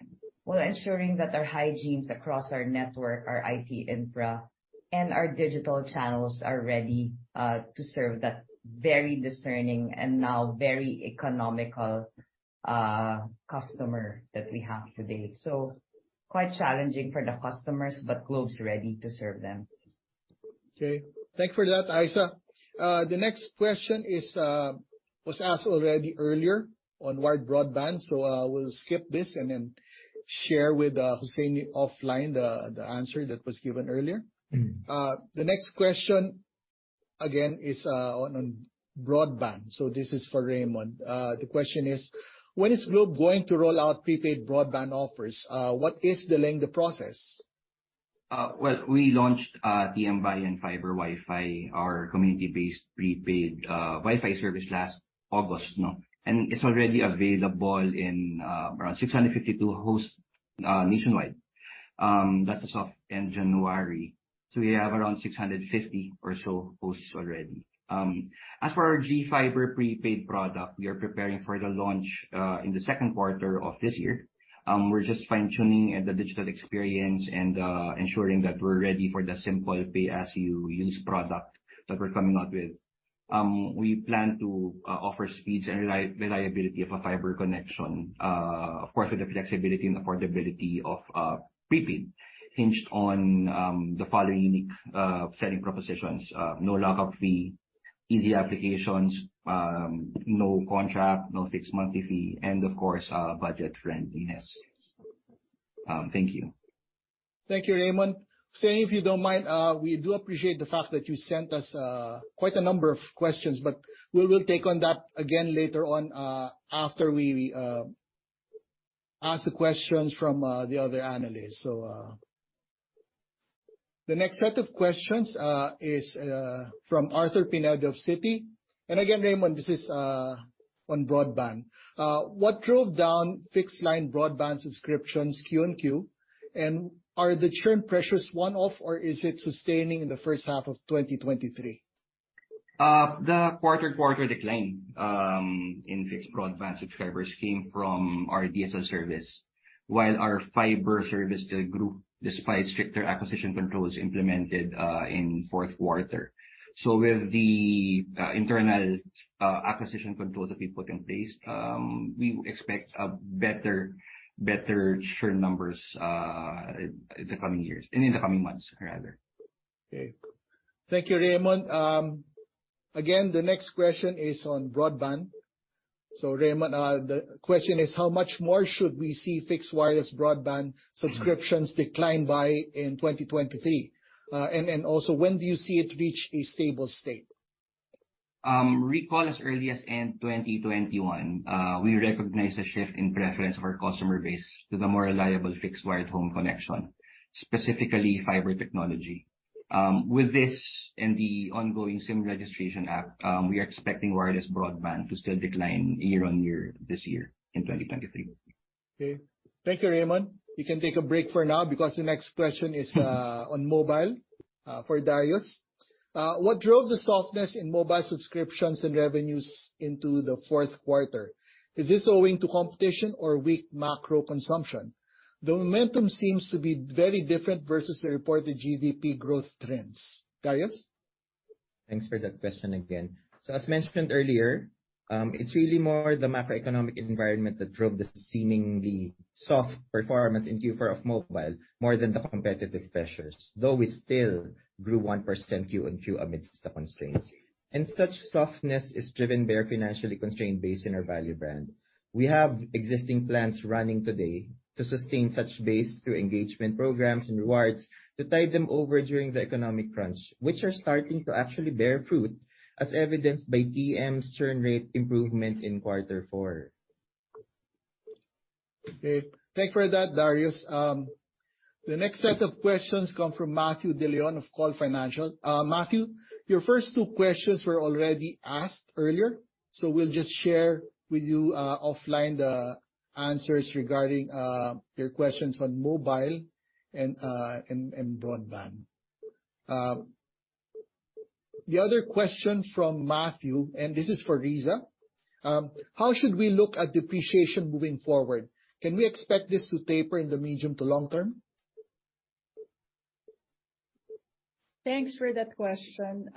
while ensuring that our hygienes across our network, our IT infra, and our digital channels are ready to serve that very discerning and now very economical customer that we have today. Quite challenging for the customers, but Globe's ready to serve them. Okay. Thank you for that, Issa. The next question is, was asked already earlier on wired broadband. We'll skip this and then share with Hussaini offline the answer that was given earlier. The next question, again, is on broadband. This is for Raymond. The question is: When is Globe going to roll out prepaid broadband offers? What is delaying the process? Well, we launched TMBayan Fiber WiFi, our community-based prepaid WiFi service last August, no. It's already available in around 652 hosts nationwide. That's as of end January. We have around 650 or so hosts already. As for our GFiber Prepaid product, we are preparing for the launch in the second quarter of this year. We're just fine-tuning the digital experience and ensuring that we're ready for the simple pay-as-you-use product that we're coming out with. We plan to offer speeds and reliability of a fiber connection, of course, with the flexibility and affordability of prepaid, hinged on the following selling propositions: no lock-up fee, easy applications, no contract, no fixed monthly fee, and of course, budget friendliness. Thank you. Thank you, Raymond. Hussaini, if you don't mind, we do appreciate the fact that you sent us quite a number of questions, we will take on that again later on, after we ask the questions from the other analysts. The next set of questions is from Arthur Pineda of Citi. Again, Raymond, this is on broadband. What drove down fixed line broadband subscriptions Q and Q? Are the churn pressures one-off, or is it sustaining in the first half of 2023? The quarter-over-quarter decline in fixed broadband subscribers came from our DSL service, while our fiber service still grew despite stricter acquisition controls implemented in fourth quarter. With the internal acquisition controls that we put in place, we expect a better churn numbers in the coming years, and in the coming months rather. Okay. Thank you, Raymond. Again, the next question is on broadband. Raymond, the question is: How much more should we see fixed wireless broadband subscriptions decline by in 2023? Also, when do you see it reach a stable state? Recall as early as end 2021, we recognized a shift in preference of our customer base to the more reliable fixed wired home connection, specifically fiber technology. With this and the ongoing SIM Registration Act, we are expecting wireless broadband to still decline year-over-year this year in 2023. Okay. Thank you, Raymond. You can take a break for now because the next question is on mobile for Darius. What drove the softness in mobile subscriptions and revenues into the fourth quarter? Is this owing to competition or weak macro consumption? The momentum seems to be very different versus the reported GDP growth trends. Darius? Thanks for that question again. As mentioned earlier, it's really more the macroeconomic environment that drove the seemingly soft performance in Q4 of mobile more than the competitive pressures. Though we still grew 1% Q on Q amidst the constraints. Such softness is driven by our financially constrained base in our value brand. We have existing plans running today to sustain such base through engagement programs and rewards to tide them over during the economic crunch, which are starting to actually bear fruit, as evidenced by TM's churn rate improvement in Q4. Okay. Thank you for that, Darius. The next set of questions come from Matthew De Leon of COL Financial. Matthew, your first two questions were already asked earlier, so we'll just share with you offline the answers regarding your questions on mobile and broadband. The other question from Matthew, and this is for Rizza. How should we look at depreciation moving forward? Can we expect this to taper in the medium to long term? Thanks for that question.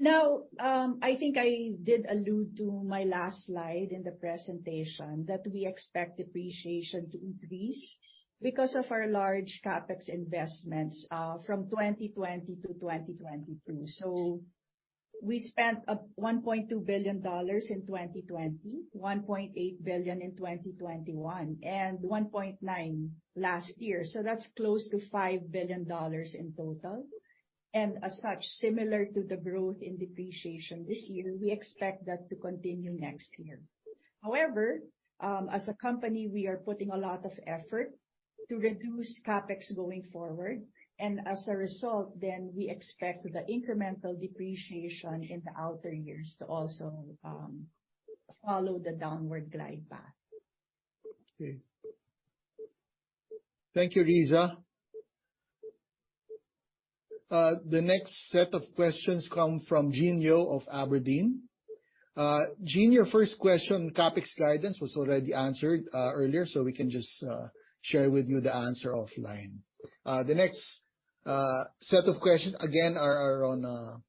Now, I think I did allude to my last slide in the presentation that we expect depreciation to increase because of our large CapEx investments from 2020 to 2022. We spent $1.2 billion in 2020, $1.8 billion in 2021, and $1.9 billion last year. That's close to $5 billion in total. As such, similar to the growth in depreciation this year, we expect that to continue next year. As a company, we are putting a lot of effort to reduce CapEx going forward. As a result, we expect the incremental depreciation in the outer years to also follow the downward glide path. Okay. Thank you, Rizza. The next set of questions come from Gene Yeo of abrdn. Gene, your first question, CapEx guidance, was already answered earlier, so we can just share with you the answer offline. The next set of questions, again, are on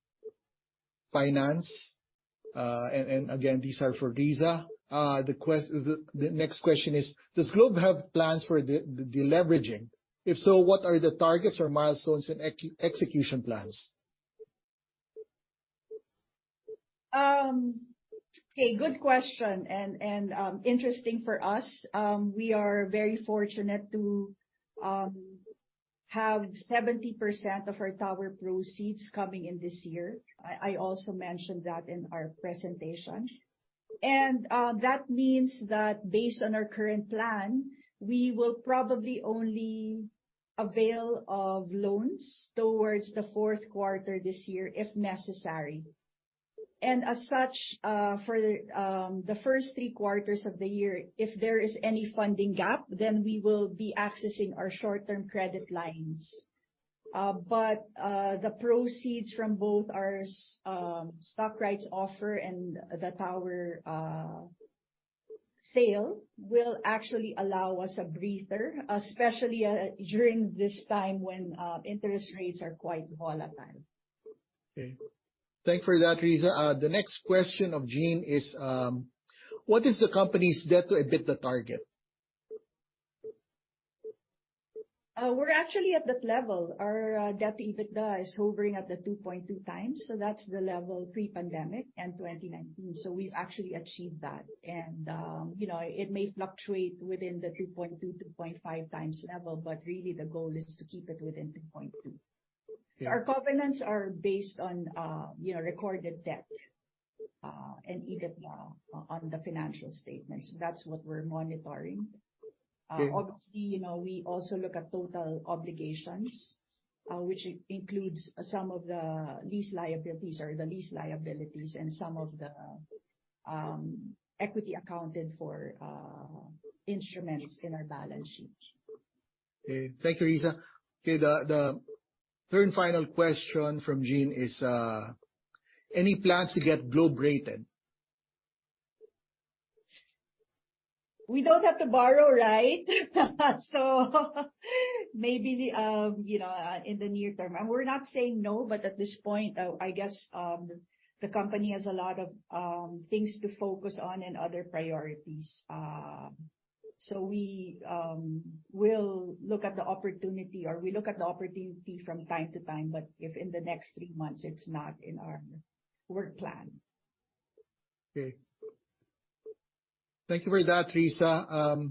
finance. Again, these are for Rizza. The next question is, does Globe have plans for deleveraging? If so, what are the targets or milestones and execution plans? Okay, good question and interesting for us. We are very fortunate to have 70% of our tower proceeds coming in this year. I also mentioned that in our presentation. That means that based on our current plan, we will probably only avail of loans towards the fourth quarter this year if necessary. As such, for the first three quarters of the year, if there is any funding gap, then we will be accessing our short-term credit lines. But the proceeds from both our stock rights offer and the tower sale will actually allow us a breather, especially during this time when interest rates are quite volatile. Okay. Thank you for that, Rizza. The next question of Gene is, what is the company's debt to EBITDA target? We're actually at that level. Our debt to EBITDA is hovering at the 2.2 times, that's the level pre-pandemic in 2019. We've actually achieved that. You know, it may fluctuate within the 2.2-2.5 times level, but really the goal is to keep it within 2.2. Yeah. Our covenants are based on, you know, recorded debt, and EBITDA on the financial statements. That's what we're monitoring. Okay. Obviously, you know, we also look at total obligations, which includes some of the lease liabilities or the lease liabilities and some of the equity accounted for instruments in our balance sheet. Okay. Thank you, Rizza. Okay, the third and final question from Gene is, any plans to get Globe rated? We don't have to borrow, right? Maybe, you know, in the near term. We're not saying no, but at this point, I guess, the company has a lot of things to focus on and other priorities. We will look at the opportunity, or we look at the opportunity from time to time, but if in the next three months, it's not in our work plan. Okay. Thank you for that, Rizza.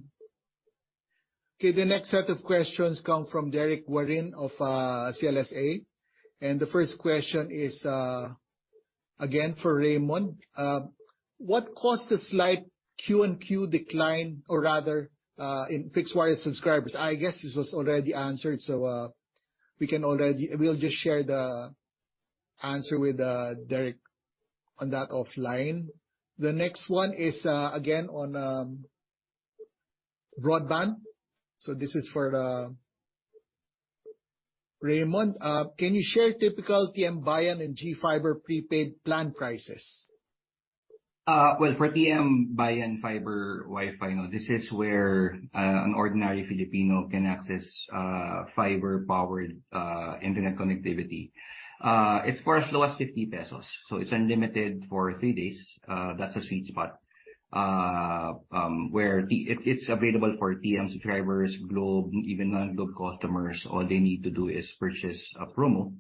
Okay, the next set of questions come from Derrick Warren of CLSA. The first question is again, for Raymond. What caused the slight quarter-on-quarter decline or rather, in fixed wire subscribers? I guess this was already answered, we'll just share the answer with Derrick on that offline. The next one is again, on Broadband. This is for Raymond. Can you share typical TM Bayan and GFiber Prepaid plan prices? For TM Bayan Fiber WiFi, this is where an ordinary Filipino can access fiber-powered internet connectivity. It's for as low as 50 pesos, it's unlimited for three days. That's a sweet spot. It's available for TM subscribers, Globe, and even non-Globe customers. All they need to do is purchase a promo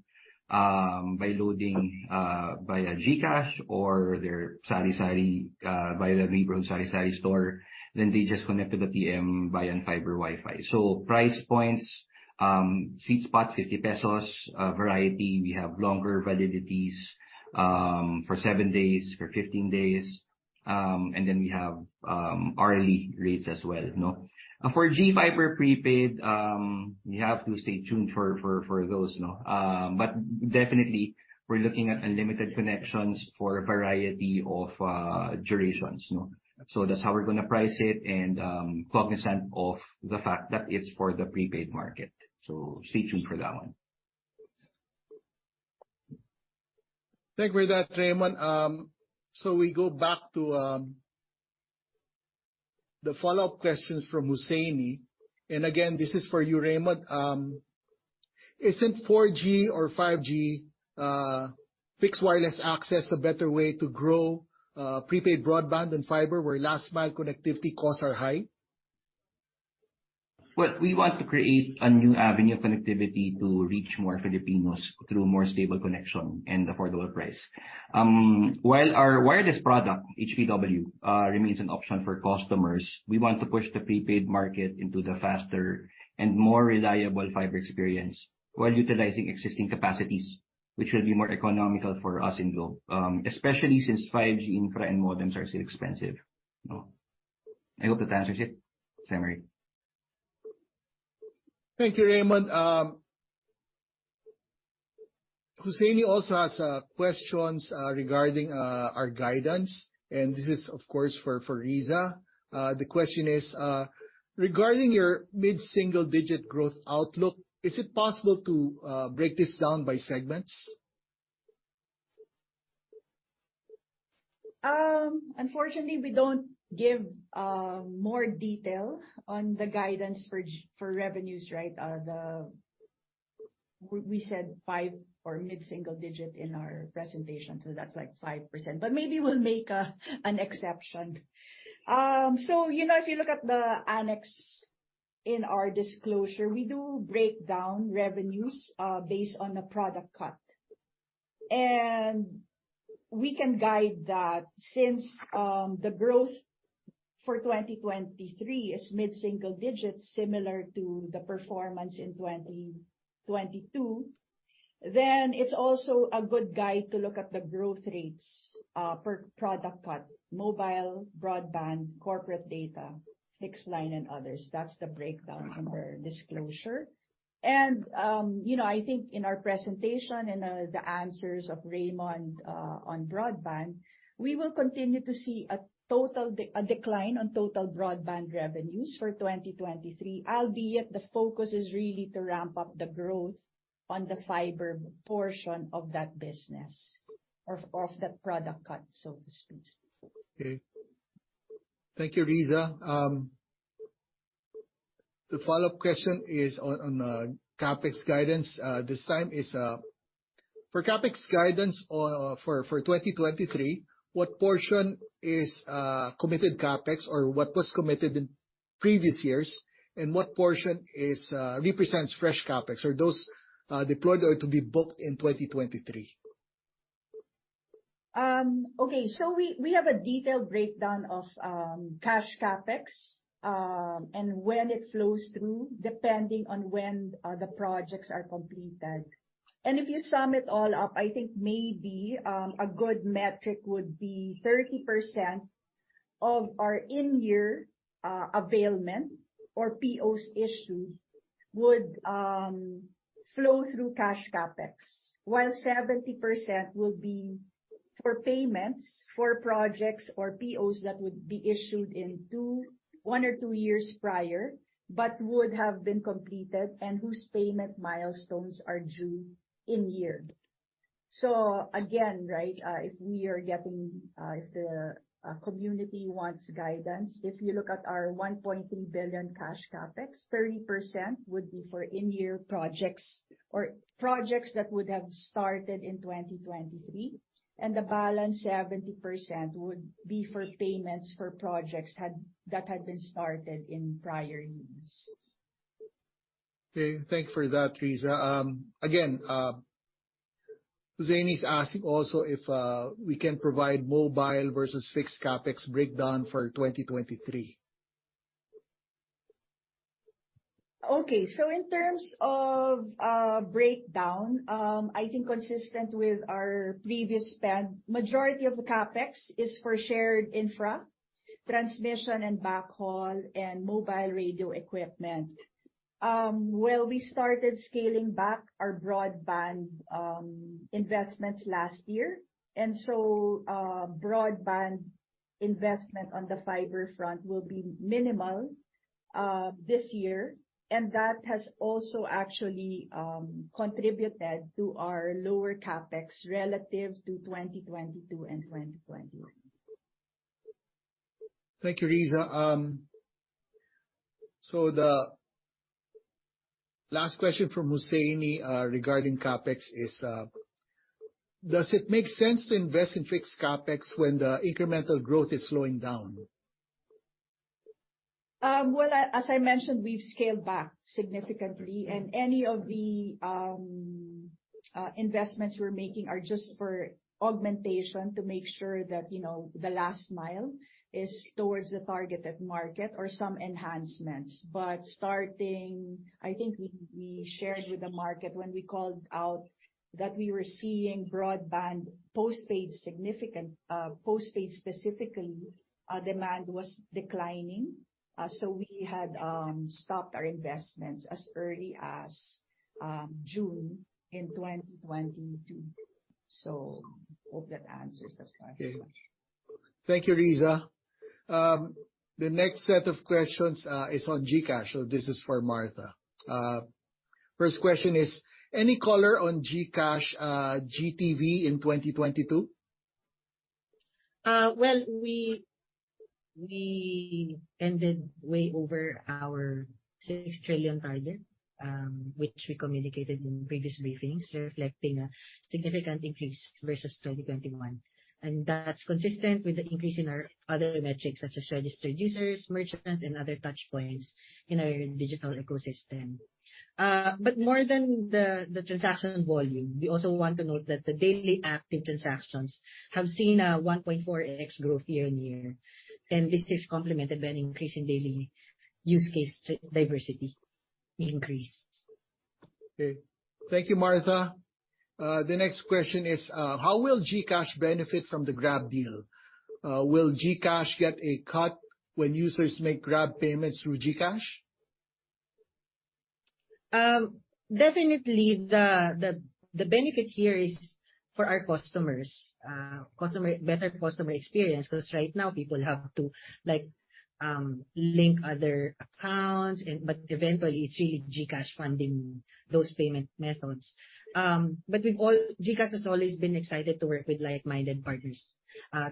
by loading via GCash or their sari-sari via the neighborhood sari-sari store. They just connect to the TM Bayan Fiber WiFi. Price points, sweet spot 50 pesos. Variety, we have longer validities for seven days, for 15 days, and we have hourly rates as well, you know. For GFiber Prepaid, you have to stay tuned for those, you know. Definitely we're looking at unlimited connections for a variety of durations, you know. That's how we're gonna price it and cognizant of the fact that it's for the prepaid market. Stay tuned for that one. Thank you for that, Raymond. We go back to the follow-up questions from Hussaini. Again, this is for you, Raymond. Isn't 4G or 5G fixed wireless access a better way to grow prepaid broadband and fiber where last mile connectivity costs are high? Well, we want to create a new avenue of connectivity to reach more Filipinos through more stable connection and affordable price. While our wireless product, HPW, remains an option for customers, we want to push the prepaid market into the faster and more reliable fiber experience while utilizing existing capacities, which will be more economical for us in Globe, especially since 5G infra and modems are still expensive. You know? I hope that answers it, Jose Mari. Thank you, Raymond. Hussaini also has questions regarding our guidance, and this is, of course, for Rizza. The question is regarding your mid-single digit growth outlook, is it possible to break this down by segments? Unfortunately, we don't give more detail on the guidance for revenues, right? We said five or mid-single digit in our presentation, so that's like 5%. Maybe we'll make an exception. You know, if you look at the annex in our disclosure, we do break down revenues based on the product cut. We can guide that since the growth for 2023 is mid-single digits, similar to the performance in 2022. It's also a good guide to look at the growth rates per product cut: mobile, broadband, corporate data, fixed line, and others. That's the breakdown in our disclosure. You know, I think in our presentation and the answers of Raymond on broadband, we will continue to see a total decline on total broadband revenues for 2023, albeit the focus is really to ramp up the growth on the fiber portion of that business or of that product cut, so to speak. Okay. Thank you, Rizza. The follow-up question is on CapEx guidance. This time it's for CapEx guidance on for 2023, what portion is committed CapEx or what was committed in previous years, and what portion is represents fresh CapEx or those deployed or to be booked in 2023? Okay. We have a detailed breakdown of cash CapEx and when it flows through, depending on when the projects are completed. If you sum it all up, I think maybe a good metric would be 30% of our in-year availment or POs issued would flow through cash CapEx, while 70% will be for payments for projects or POs that would be issued in one or two years prior, but would have been completed and whose payment milestones are due in-year. Again, right, if we are getting, if the community wants guidance, if you look at our $1.3 billion cash CapEx, 30% would be for in-year projects or projects that would have started in 2023, and the balance 70% would be for payments for projects that had been started in prior years. Okay. Thank you for that, Rizza. again, Hussaini's asking also if we can provide mobile versus fixed CapEx breakdown for 2023. Okay. In terms of breakdown, I think consistent with our previous spend, majority of the CapEx is for shared infra, transmission and backhaul, and mobile radio equipment. Well, we started scaling back our broadband investments last year. Broadband investment on the fiber front will be minimal this year. That has also actually contributed to our lower CapEx relative to 2022 and 2021. Thank you, Rizza. The last question from Hussaini regarding CapEx is, does it make sense to invest in fixed CapEx when the incremental growth is slowing down? Well, as I mentioned, we've scaled back significantly, and any of the investments we're making are just for augmentation to make sure that, you know, the last mile is towards the targeted market or some enhancements. I think we shared with the market when we called out that we were seeing broadband postpaid significant postpaid specifically demand was declining. We had stopped our investments as early as June in 2022. Hope that answers the question? Thank you, Rizza. The next set of questions is on GCash. This is for Martha. First question is, any color on GCash, GTV in 2022? Well, we ended way over our 6 trillion target, which we communicated in previous briefings, reflecting a significant increase versus 2021. That's consistent with the increase in our other metrics such as registered users, merchants, and other touchpoints in our digital ecosystem. More than the transaction volume, we also want to note that the daily active transactions have seen a 1.4x growth year-on-year, and this is complemented by an increase in daily use case diversity increase. Okay. Thank you, Martha. The next question is, how will GCash benefit from the Grab deal? Will GCash get a cut when users make Grab payments through GCash? Definitely the benefit here is for our customers. better customer experience, because right now people have to, like, link other accounts and but eventually it's really GCash funding those payment methods. GCash has always been excited to work with like-minded partners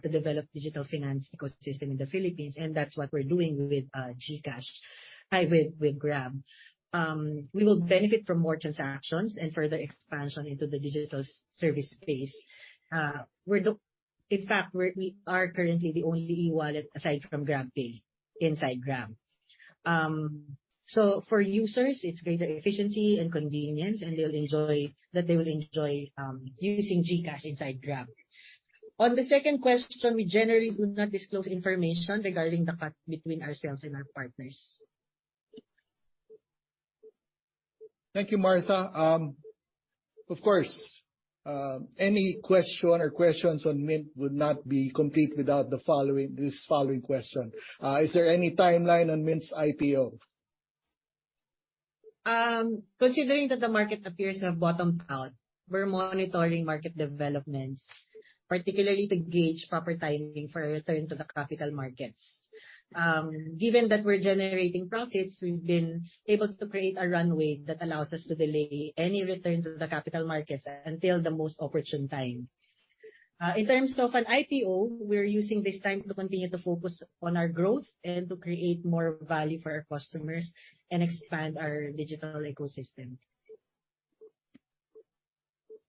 to develop digital finance ecosystem in the Philippines, and that's what we're doing with GCash with Grab. We will benefit from more transactions and further expansion into the digital service space. in fact, we are currently the only e-wallet aside from GrabPay inside Grab. for users, it's greater efficiency and convenience, and that they will enjoy using GCash inside Grab. On the second question, we generally do not disclose information regarding the cut between ourselves and our partners. Thank you, Martha. Of course, any question or questions on Mynt would not be complete without this following question. Is there any timeline on Mynt's IPO? Considering that the market appears to have bottomed out, we're monitoring market developments, particularly to gauge proper timing for a return to the capital markets. Given that we're generating profits, we've been able to create a runway that allows us to delay any return to the capital markets until the most opportune time. In terms of an IPO, we're using this time to continue to focus on our growth and to create more value for our customers and expand our digital ecosystem.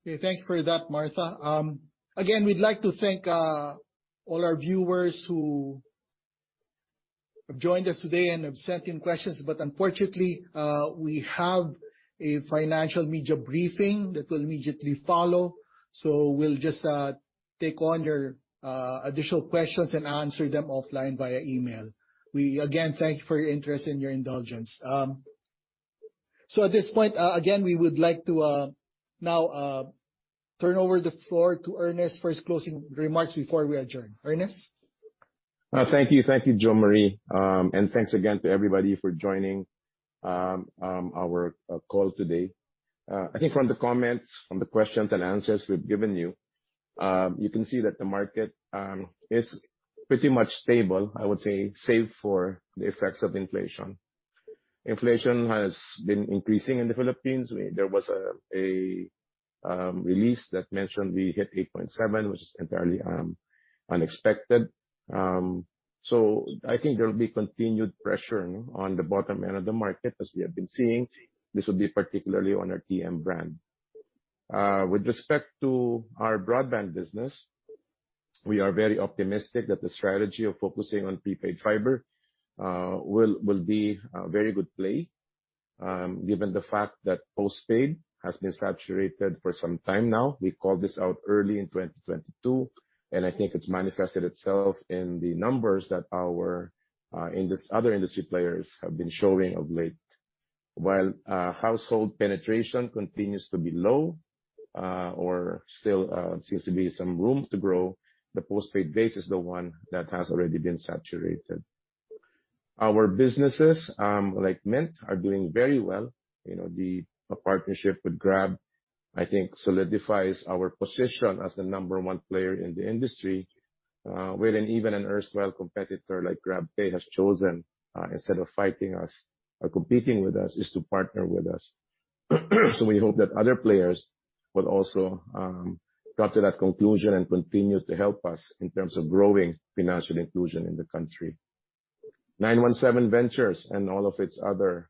Okay. Thank you for that, Martha. Again, we'd like to thank all our viewers who have joined us today and have sent in questions. Unfortunately, we have a financial media briefing that will immediately follow. We'll just take on your additional questions and answer them offline via email. We again thank you for your interest and your indulgence. At this point, again, we would like to now turn over the floor to Ernest for his closing remarks before we adjourn. Ernest? Thank you. Thank you, Jomari. Thanks again to everybody for joining our call today. I think from the comments, from the questions and answers we've given you can see that the market is pretty much stable, I would say, save for the effects of inflation. Inflation has been increasing in the Philippines. There was a release that mentioned we hit 8.7%, which is entirely unexpected. I think there will be continued pressure on the bottom end of the market, as we have been seeing. This will be particularly on our TM brand. With respect to our broadband business, we are very optimistic that the strategy of focusing on prepaid fiber will be a very good play, given the fact that postpaid has been saturated for some time now. We called this out early in 2022, I think it's manifested itself in the numbers that our other industry players have been showing of late. While household penetration continues to be low, or still seems to be some room to grow. The postpaid base is the one that has already been saturated. Our businesses, like Mynt, are doing very well. You know, the partnership with Grab, I think solidifies our position as the number one player in the industry, where an even an erstwhile competitor like GrabPay has chosen, instead of fighting us or competing with us, is to partner with us. We hope that other players will also come to that conclusion and continue to help us in terms of growing financial inclusion in the country. 917Ventures and all of its other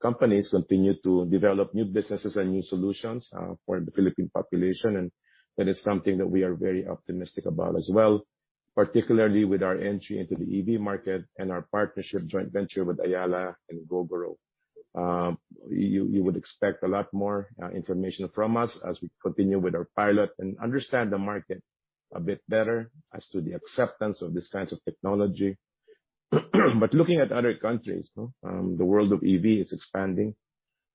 companies continue to develop new businesses and new solutions for the Philippine population. That is something that we are very optimistic about as well, particularly with our entry into the EV market and our partnership joint venture with Ayala and Gogoro. You would expect a lot more information from us as we continue with our pilot and understand the market a bit better as to the acceptance of these kinds of technology. Looking at other countries, you know, the world of EV is expanding.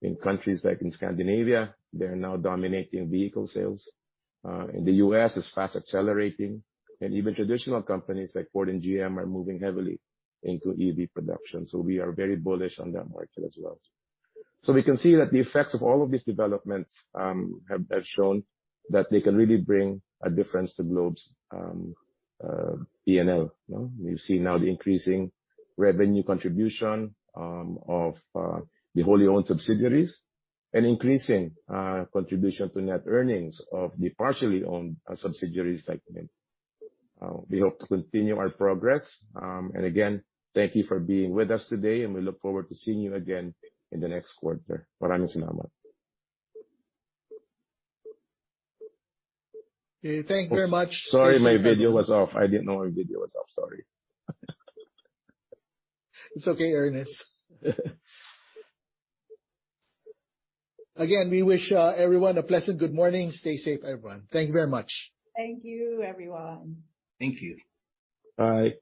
In countries like in Scandinavia, they are now dominating vehicle sales. In the U.S. it's fast accelerating. Even traditional companies like Ford and GM are moving heavily into EV production. We are very bullish on that market as well. We can see that the effects of all of these developments have shown that they can really bring a difference to Globe's PNL, you know. We've seen now the increasing revenue contribution of the wholly owned subsidiaries and increasing contribution to net earnings of the partially owned subsidiaries like Mynt. We hope to continue our progress. Again, thank you for being with us today, and we look forward to seeing you again in the next quarter. Okay. Thank you very much. Sorry, my video was off. I didn't know my video was off. Sorry. It's okay, Ernest. Again, we wish everyone a pleasant good morning. Stay safe, everyone. Thank you very much. Thank you, everyone. Thank you. Bye.